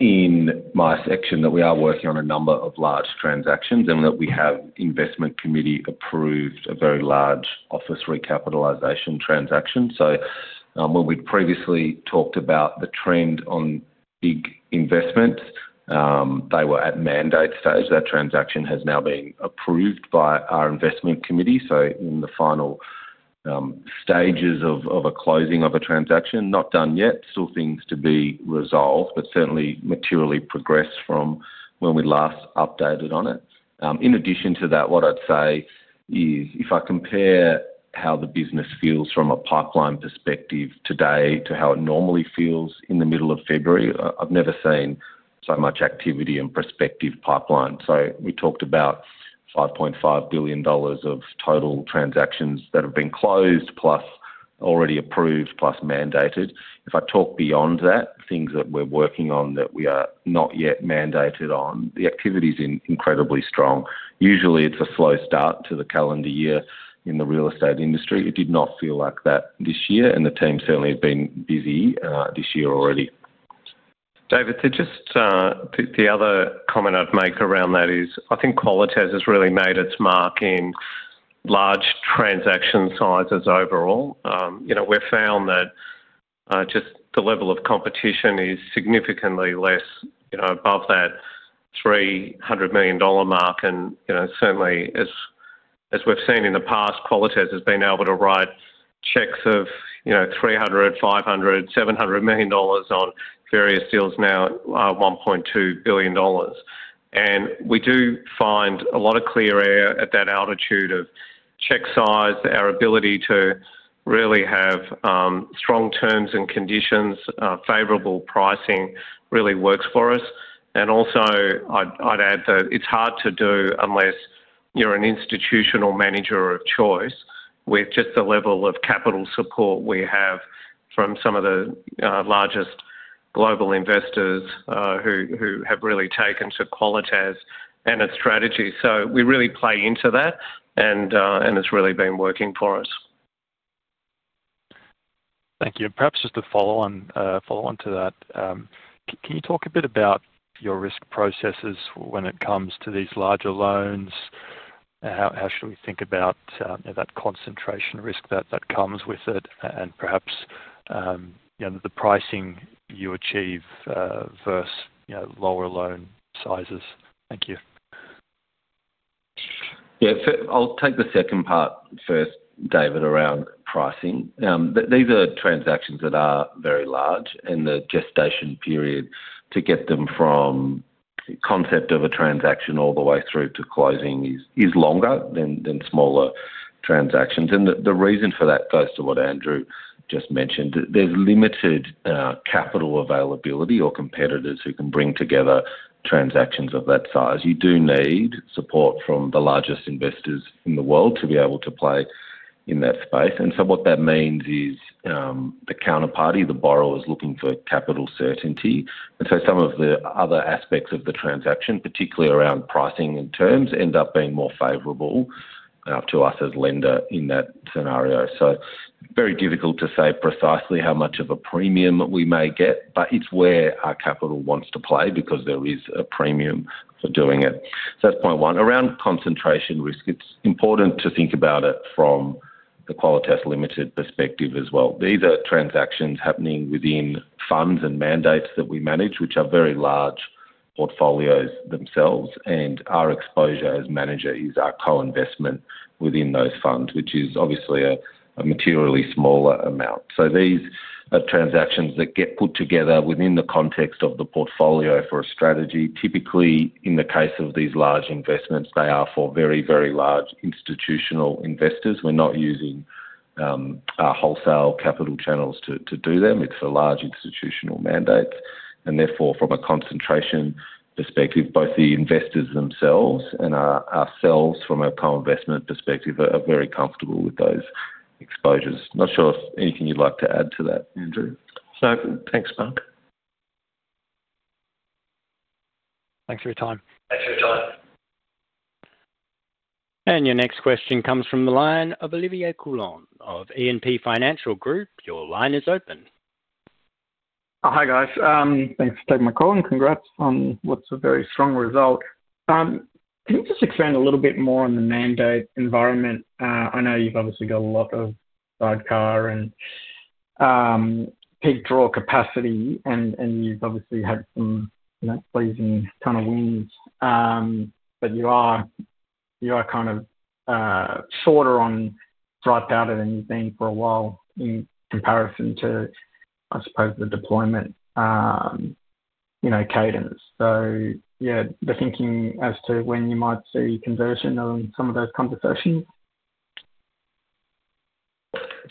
in my section that we are working on a number of large transactions and that we have investment committee approved a very large office recapitalization transaction. So when we previously talked about the trend on big investments, they were at mandate stage. That transaction has now been approved by our investment committee, so in the final stages of a closing of a transaction. Not done yet, still things to be resolved, but certainly materially progressed from when we last updated on it. In addition to that, what I'd say is, if I compare how the business feels from a pipeline perspective today to how it normally feels in the middle of February, I've never seen so much activity and prospective pipeline. We talked about 5.5 billion dollars of total transactions that have been closed plus already approved, plus mandated. If I talk beyond that, things that we're working on that we are not yet mandated on, the activity is incredibly strong. Usually, it's a slow start to the calendar year in the real estate industry. It did not feel like that this year, and the team certainly have been busy this year already. David, to just the other comment I'd make around that is, I think Qualitas has really made its mark in large transaction sizes overall. You know, we've found that just the level of competition is significantly less, you know, above that 300 million dollar mark. And, you know, certainly as we've seen in the past, Qualitas has been able to write checks of, you know, 300 million, 500 million, 700 million dollars on various deals, now, 1.2 billion dollars. And we do find a lot of clear air at that altitude of check size. Our ability to really have strong terms and conditions, favorable pricing, really works for us. And also, I'd add that it's hard to do unless you're an institutional manager of choice, with just the level of capital support we have from some of the largest global investors who have really taken to Qualitas and its strategy. So we really play into that, and it's really been working for us. Thank you. And perhaps just to follow on to that, can you talk a bit about your risk processes when it comes to these larger loans? How should we think about that concentration risk that comes with it, and perhaps, you know, the pricing you achieve versus, you know, lower loan sizes? Thank you. Yeah, so I'll take the second part first, David, around pricing. These are transactions that are very large, and the gestation period to get them from concept of a transaction all the way through to closing is longer than smaller transactions. And the reason for that goes to what Andrew just mentioned. There's limited capital availability or competitors who can bring together transactions of that size. You do need support from the largest investors in the world to be able to play in that space. And so what that means is, the counterparty, the borrower, is looking for capital certainty. And so some of the other aspects of the transaction, particularly around pricing and terms, end up being more favorable to us as lender in that scenario. So very difficult to say precisely how much of a premium we may get, but it's where our capital wants to play because there is a premium for doing it. So that's point one. Around concentration risk, it's important to think about it from the Qualitas Limited perspective as well. These are transactions happening within funds and mandates that we manage, which are very large portfolios themselves, and our exposure as manager is our co-investment within those funds, which is obviously a materially smaller amount. So these are transactions that get put together within the context of the portfolio for a strategy. Typically, in the case of these large investments, they are for very, very large institutional investors. We're not using our wholesale capital channels to do them. It's a large institutional mandate, and therefore, from a concentration perspective, both the investors themselves and our, ourselves, from a co-investment perspective, are very comfortable with those exposures. Not sure if anything you'd like to add to that, Andrew? No. Thanks, Mark. Thanks for your time. Thanks for your time. Your next question comes from the line of Olivier Coulon of E&P Financial Group. Your line is open. Oh, hi, guys. Thanks for taking my call, and congrats on what's a very strong result. Can you just expand a little bit more on the mandate environment? I know you've obviously got a lot of sidecar and peak draw capacity, and you've obviously had some, you know, pleasing kind of wins. But you are kind of shorter on dry powder than you've been for a while in comparison to, I suppose, the deployment, you know, cadence. So, yeah, the thinking as to when you might see conversion on some of those conversations?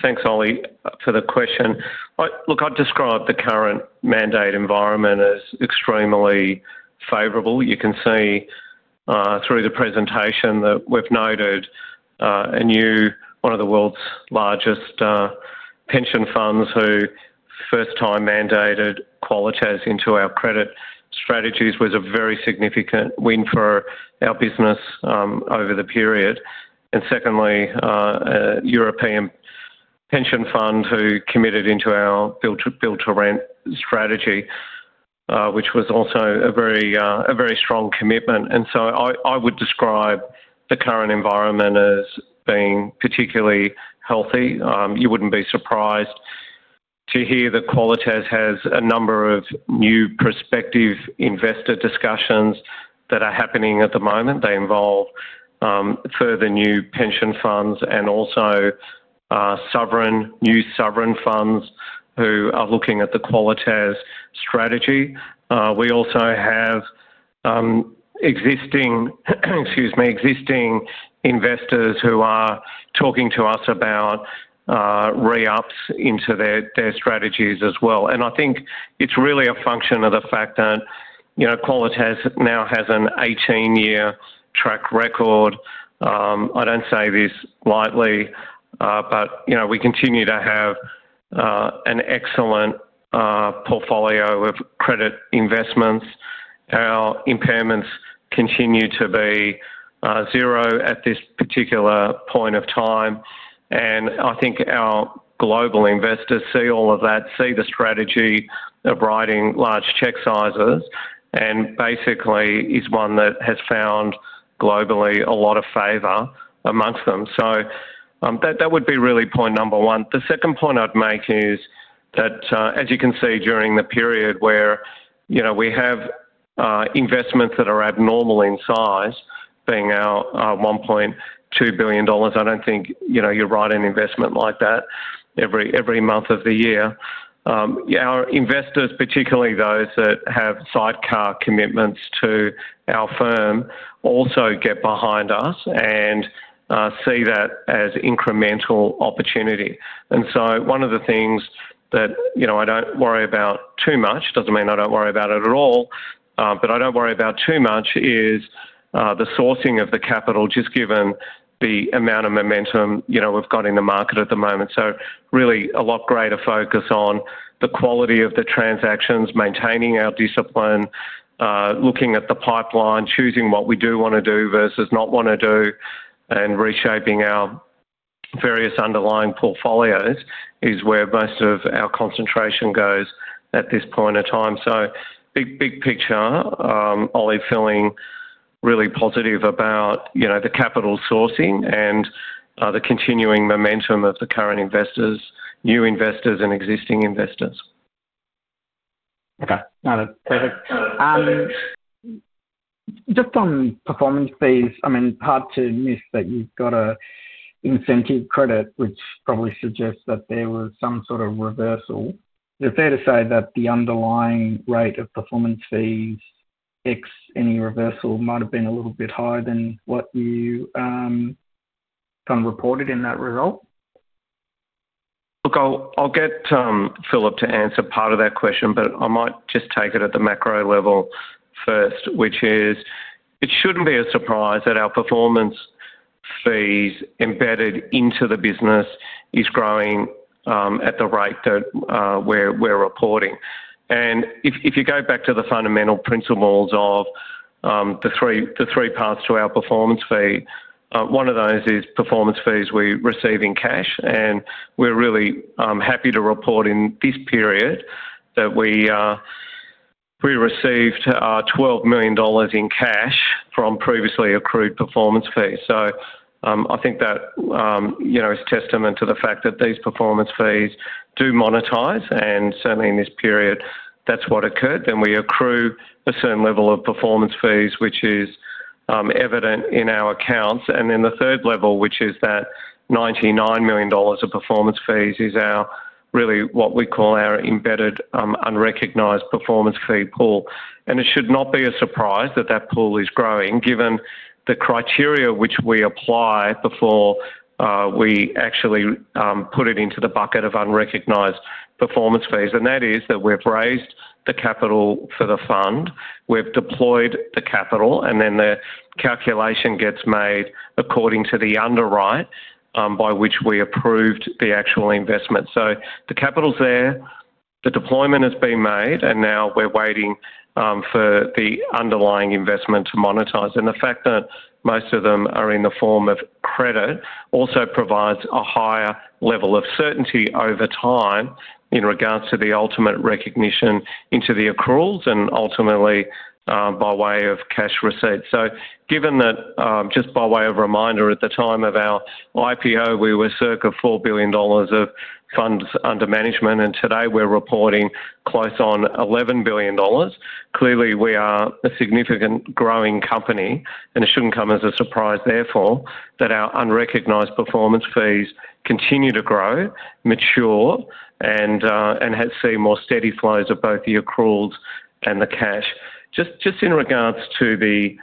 Thanks, Oli, for the question. Look, I'd describe the current mandate environment as extremely favorable. You can see through the presentation that we've noted a new, one of the world's largest pension funds, who first time mandated Qualitas into our credit strategies, was a very significant win for our business over the period. And secondly, a European pension fund who committed into our build to rent strategy, which was also a very strong commitment. And so I would describe the current environment as being particularly healthy. You wouldn't be surprised to hear that Qualitas has a number of new prospective investor discussions that are happening at the moment. They involve further new pension funds and also new sovereign funds who are looking at the Qualitas strategy. We also have existing, excuse me, existing investors who are talking to us about re-ups into their, their strategies as well. I think it's really a function of the fact that, you know, Qualitas now has an 18-year track record. I don't say this lightly, but, you know, we continue to have an excellent portfolio of credit investments. Our impairments continue to be zero at this particular point of time, and I think our global investors see all of that, see the strategy of writing large check sizes, and basically is one that has found globally a lot of favor amongst them. So, that would be really point number one. The second point I'd make is that, as you can see, during the period where, you know, we have, investments that are abnormal in size, being our, our 1.2 billion dollars, I don't think, you know, you write an investment like that every, every month of the year. Our investors, particularly those that have sidecar commitments to our firm, also get behind us and, see that as incremental opportunity. And so one of the things that, you know, I don't worry about too much, doesn't mean I don't worry about it at all, but I don't worry about too much, is, the sourcing of the capital, just given the amount of momentum, you know, we've got in the market at the moment. So really, a lot greater focus on the quality of the transactions, maintaining our discipline, looking at the pipeline, choosing what we do want to do versus not want to do... and reshaping our various underlying portfolios is where most of our concentration goes at this point in time. So big, big picture, Oli feeling really positive about, you know, the capital sourcing and, the continuing momentum of the current investors, new investors, and existing investors. Okay, got it. Perfect. Just on performance fees, I mean, hard to miss that you've got an incentive credit, which probably suggests that there was some sort of reversal. Is it fair to say that the underlying rate of performance fees, ex any reversal, might have been a little bit higher than what you kind of reported in that result? Look, I'll get Philip to answer part of that question, but I might just take it at the macro level first, which is, it shouldn't be a surprise that our performance fees embedded into the business is growing at the rate that we're reporting. And if you go back to the fundamental principles of the three paths to our performance fee, one of those is performance fees we receive in cash, and we're really happy to report in this period that we received 12 million dollars in cash from previously accrued performance fees. So, I think that you know is testament to the fact that these performance fees do monetize, and certainly in this period, that's what occurred. Then we accrue a certain level of performance fees, which is evident in our accounts. And then the third level, which is that 99 million dollars of performance fees, is really what we call our embedded, unrecognized performance fee pool. It should not be a surprise that that pool is growing, given the criteria which we apply before we actually put it into the bucket of unrecognized performance fees. That is, that we've raised the capital for the fund, we've deployed the capital, and then the calculation gets made according to the underwrite by which we approved the actual investment. The capital's there, the deployment has been made, and now we're waiting for the underlying investment to monetize. The fact that most of them are in the form of credit also provides a higher level of certainty over time in regards to the ultimate recognition into the accruals and ultimately by way of cash receipts. Given that, just by way of reminder, at the time of our IPO, we were circa 4 billion dollars of funds under management, and today we're reporting close on 11 billion dollars. Clearly, we are a significant growing company, and it shouldn't come as a surprise, therefore, that our unrecognized performance fees continue to grow, mature, and and have seen more steady flows of both the accruals and the cash. Just in regards to the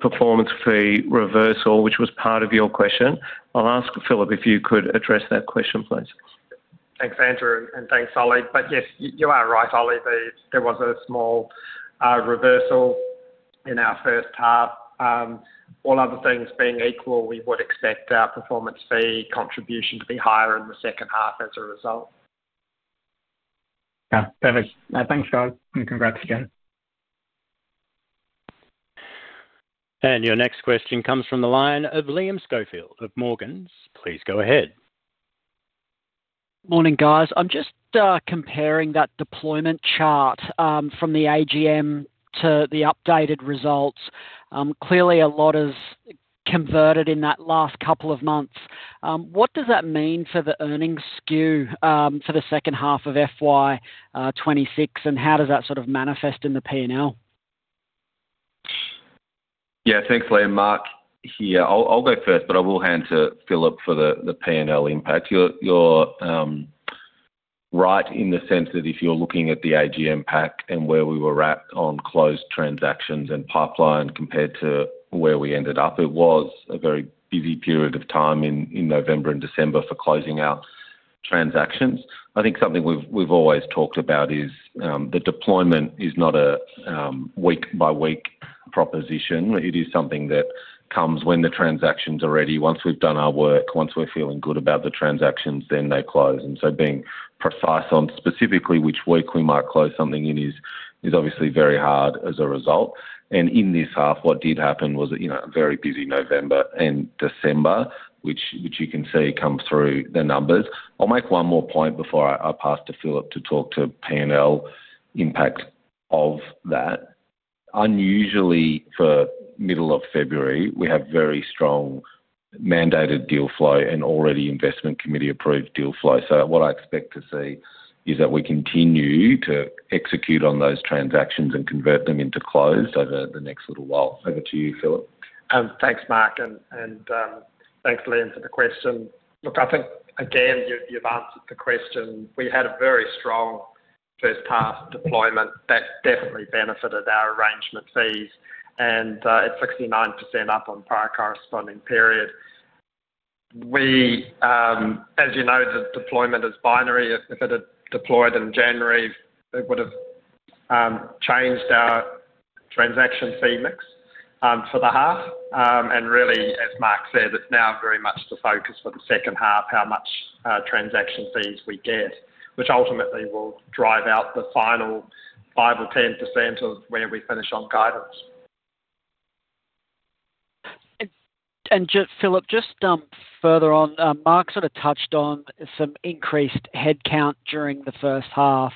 performance fee reversal, which was part of your question, I'll ask Philip if you could address that question, please. Thanks, Andrew, and thanks, Oli. But yes, you are right, Oli. There was a small reversal in our first half. All other things being equal, we would expect our performance fee contribution to be higher in the second half as a result. Yeah, perfect. Thanks, guys, and congrats again. Your next question comes from the line of Liam Schofield of Morgans. Please go ahead. Morning, guys. I'm just comparing that deployment chart from the AGM to the updated results. Clearly, a lot has converted in that last couple of months. What does that mean for the earnings skew for the second half of FY 2026, and how does that sort of manifest in the P&L? Yeah, thanks, Liam. Mark here. I'll go first, but I will hand to Philip for the P&L impact. You're right in the sense that if you're looking at the AGM pack and where we were at on closed transactions and pipeline compared to where we ended up, it was a very busy period of time in November and December for closing out transactions. I think something we've always talked about is the deployment is not a week by week proposition. It is something that comes when the transactions are ready. Once we've done our work, once we're feeling good about the transactions, then they close. And so being precise on specifically which week we might close something in is obviously very hard as a result. In this half, what did happen was a, you know, a very busy November and December, which you can see come through the numbers. I'll make one more point before I pass to Philip to talk to P&L impacts of that. Unusually, for middle of February, we have very strong mandated deal flow and already investment committee-approved deal flow. So what I expect to see is that we continue to execute on those transactions and convert them into closed over the next little while. Over to you, Philip. Thanks, Mark, and thanks, Liam, for the question. Look, I think, again, you've answered the question. We had a very strong first half deployment that definitely benefited our arrangement fees, and it's 69% up on prior corresponding period. We, as you know, the deployment is binary. If it had deployed in January, it would have changed our transaction fee mix for the half. And really, as Mark said, it's now very much the focus for the second half, how much transaction fees we get, which ultimately will drive out the final...... 5% or 10% of where we finish on guidance. And just Philip, just further on, Mark sort of touched on some increased headcount during the first half.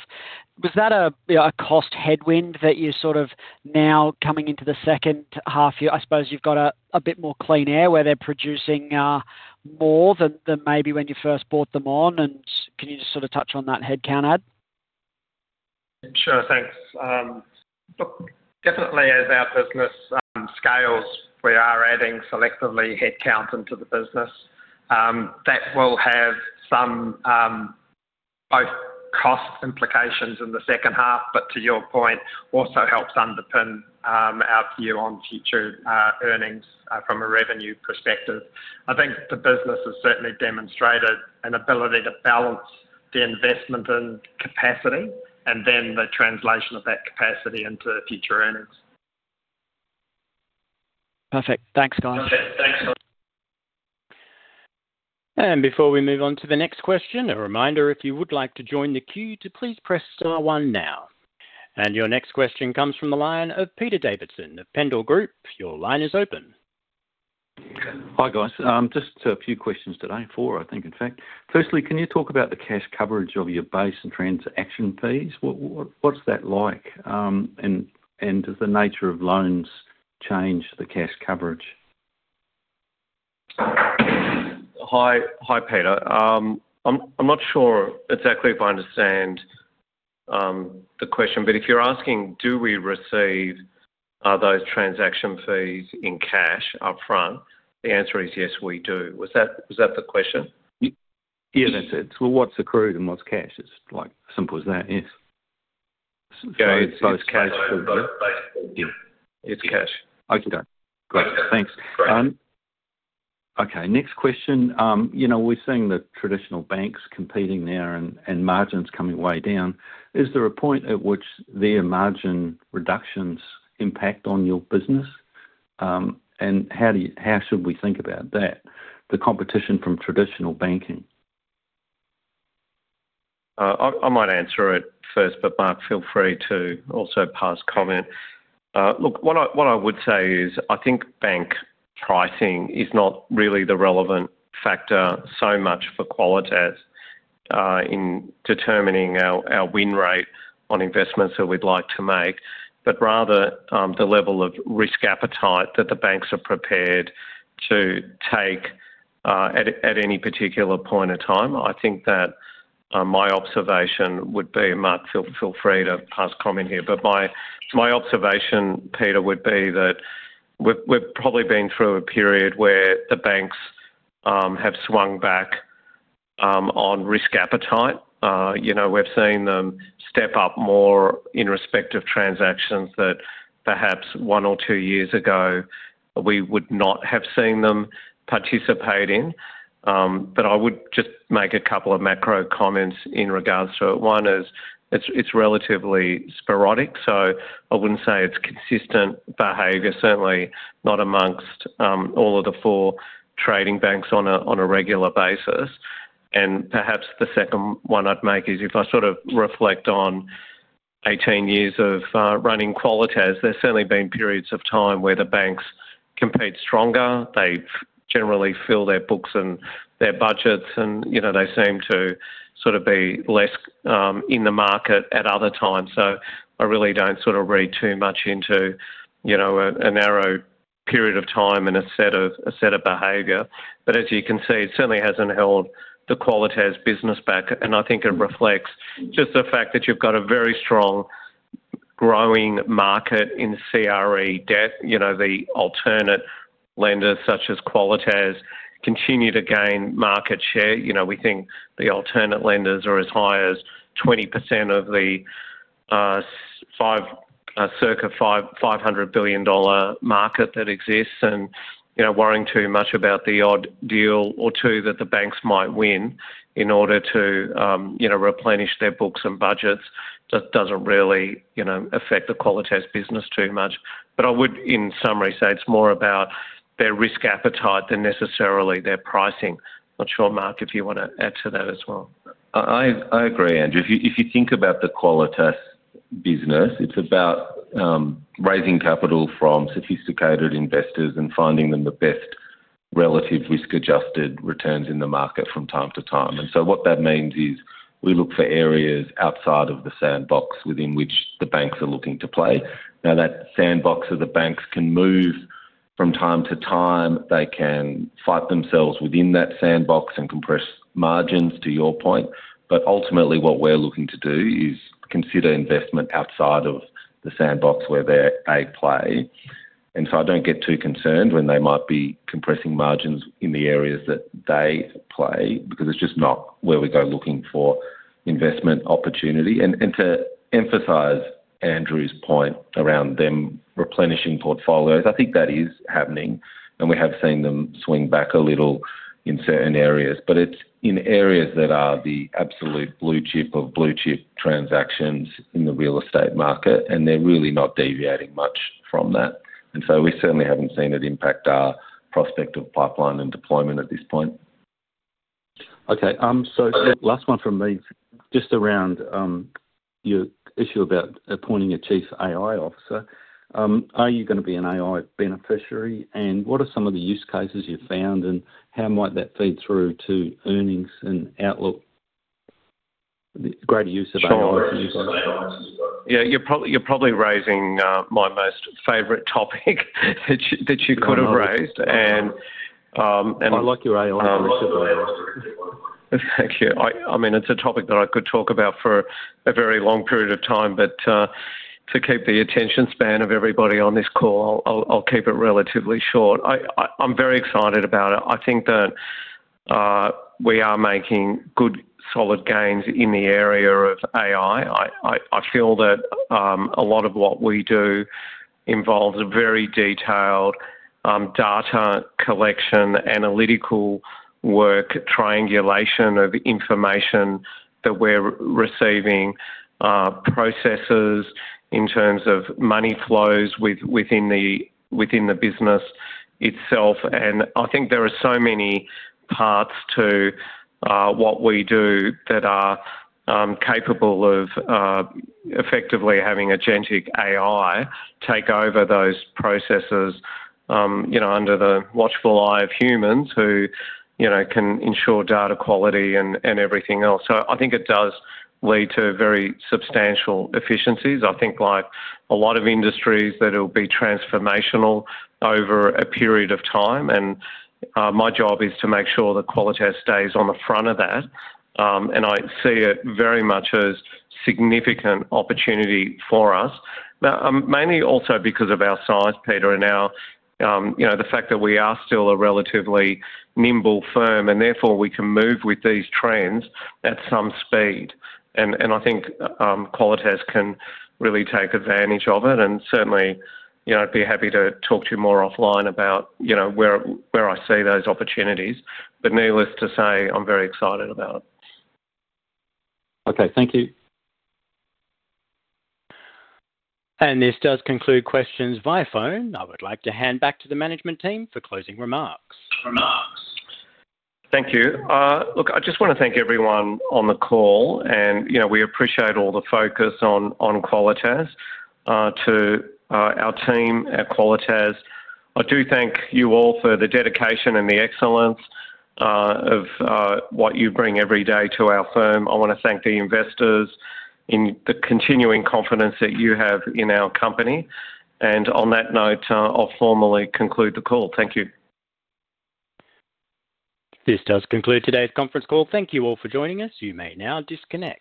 Was that a cost headwind that you sort of now coming into the second half year? I suppose you've got a bit more clean air where they're producing more than maybe when you first brought them on, and can you just sort of touch on that headcount ad? Sure, thanks. Look, definitely as our business scales, we are adding selectively headcount into the business. That will have some both cost implications in the second half, but to your point, also helps underpin our view on future earnings from a revenue perspective. I think the business has certainly demonstrated an ability to balance the investment in capacity and then the translation of that capacity into future earnings. Perfect. Thanks, guys. Okay, thanks guys. Before we move on to the next question, a reminder, if you would like to join the queue, to please press star one now. Your next question comes from the line of Peter Davidson of Pendal Group. Your line is open. Hi, guys. Just a few questions today. Four, I think in fact. Firstly, can you talk about the cash coverage of your base and transaction fees? What, what, what's that like? And, and does the nature of loans change the cash coverage? Hi, hi, Peter. I'm not sure exactly if I understand the question, but if you're asking, do we receive those transaction fees in cash upfront? The answer is yes, we do. Was that the question? Yes, it's well, what's accrued and what's cash? It's like, simple as that. Yes. So it's cash. Yeah, it's cash. Okay, got it. Great. Thanks. Okay, next question. You know, we're seeing the traditional banks competing now and margins coming way down. Is there a point at which their margin reductions impact on your business? And how should we think about that, the competition from traditional banking? I might answer it first, but Mark, feel free to also pass comment. Look, what I would say is, I think bank pricing is not really the relevant factor so much for Qualitas in determining our win rate on investments that we'd like to make, but rather the level of risk appetite that the banks are prepared to take at any particular point in time. I think that my observation would be, Mark, feel free to pass comment here, but my observation, Peter, would be that we've probably been through a period where the banks have swung back on risk appetite. You know, we've seen them step up more in respect of transactions that perhaps one or two years ago we would not have seen them participate in. But I would just make a couple of macro comments in regards to it. One is, it's, it's relatively sporadic, so I wouldn't say it's consistent behavior, certainly not amongst all of the four trading banks on a, on a regular basis. And perhaps the second one I'd make is if I sort of reflect on 18 years of running Qualitas, there's certainly been periods of time where the banks compete stronger. They've generally fill their books and their budgets, and, you know, they seem to sort of be less in the market at other times. So I really don't sort of read too much into, you know, a, a narrow period of time and a set of, a set of behavior. But as you can see, it certainly hasn't held the Qualitas business back, and I think it reflects just the fact that you've got a very strong growing market in CRE debt. You know, the alternate lenders, such as Qualitas, continue to gain market share. You know, we think the alternate lenders are as high as 20% of the circa 500 billion dollar market that exists. And, you know, worrying too much about the odd deal or two that the banks might win in order to, you know, replenish their books and budgets, just doesn't really, you know, affect the Qualitas business too much. But I would, in summary, say it's more about their risk appetite than necessarily their pricing. Not sure, Mark, if you want to add to that as well. I agree, Andrew. If you think about the Qualitas business, it's about raising capital from sophisticated investors and finding them the best relative risk-adjusted returns in the market from time to time. And so what that means is we look for areas outside of the sandbox within which the banks are looking to play. Now, that sandbox of the banks can move from time to time. They can fight themselves within that sandbox and compress margins, to your point. But ultimately, what we're looking to do is consider investment outside of the sandbox where they play. And so I don't get too concerned when they might be compressing margins in the areas that they play, because it's just not where we go looking for investment opportunity. And to emphasize Andrew's point around them replenishing portfolios, I think that is happening, and we have seen them swing back a little in certain areas, but it's in areas that are the absolute blue chip of blue chip transactions in the real estate market, and they're really not deviating much from that. And so we certainly haven't seen it impact our prospective pipeline and deployment at this point. Okay, so last one from me, just around your issue about appointing a Chief AI Officer. Are you going to be an AI beneficiary? And what are some of the use cases you've found, and how might that feed through to earnings and outlook? Greater use of AI. Sure. Yeah, you're probably, you're probably raising my most favorite topic, that you, that you could have raised, and, and- I like your AI. Thank you. I mean, it's a topic that I could talk about for a very long period of time, but to keep the attention span of everybody on this call, I'll keep it relatively short. I'm very excited about it. I think that we are making good, solid gains in the area of AI. I feel that a lot of what we do involves a very detailed data collection, analytical work, triangulation of information that we're receiving, processes in terms of money flows within the business itself. I think there are so many parts to what we do that are capable of effectively having an agentic AI take over those processes, you know, under the watchful eye of humans who, you know, can ensure data quality and everything else. So I think it does lead to very substantial efficiencies. I think like a lot of industries, that it'll be transformational over a period of time, and my job is to make sure that Qualitas stays on the front of that. And I see it very much as significant opportunity for us. Now, mainly also because of our size, Peter, and our, you know, the fact that we are still a relatively nimble firm, and therefore, we can move with these trends at some speed. And I think, Qualitas can really take advantage of it, and certainly, you know, I'd be happy to talk to you more offline about, you know, where, where I see those opportunities. But needless to say, I'm very excited about it. Okay, thank you. This does conclude questions via phone. I would like to hand back to the management team for closing remarks. Thank you. Look, I just wanna thank everyone on the call, and, you know, we appreciate all the focus on Qualitas to our team at Qualitas. I do thank you all for the dedication and the excellence of what you bring every day to our firm. I wanna thank the investors in the continuing confidence that you have in our company, and on that note, I'll formally conclude the call. Thank you. This does conclude today's conference call. Thank you all for joining us. You may now disconnect.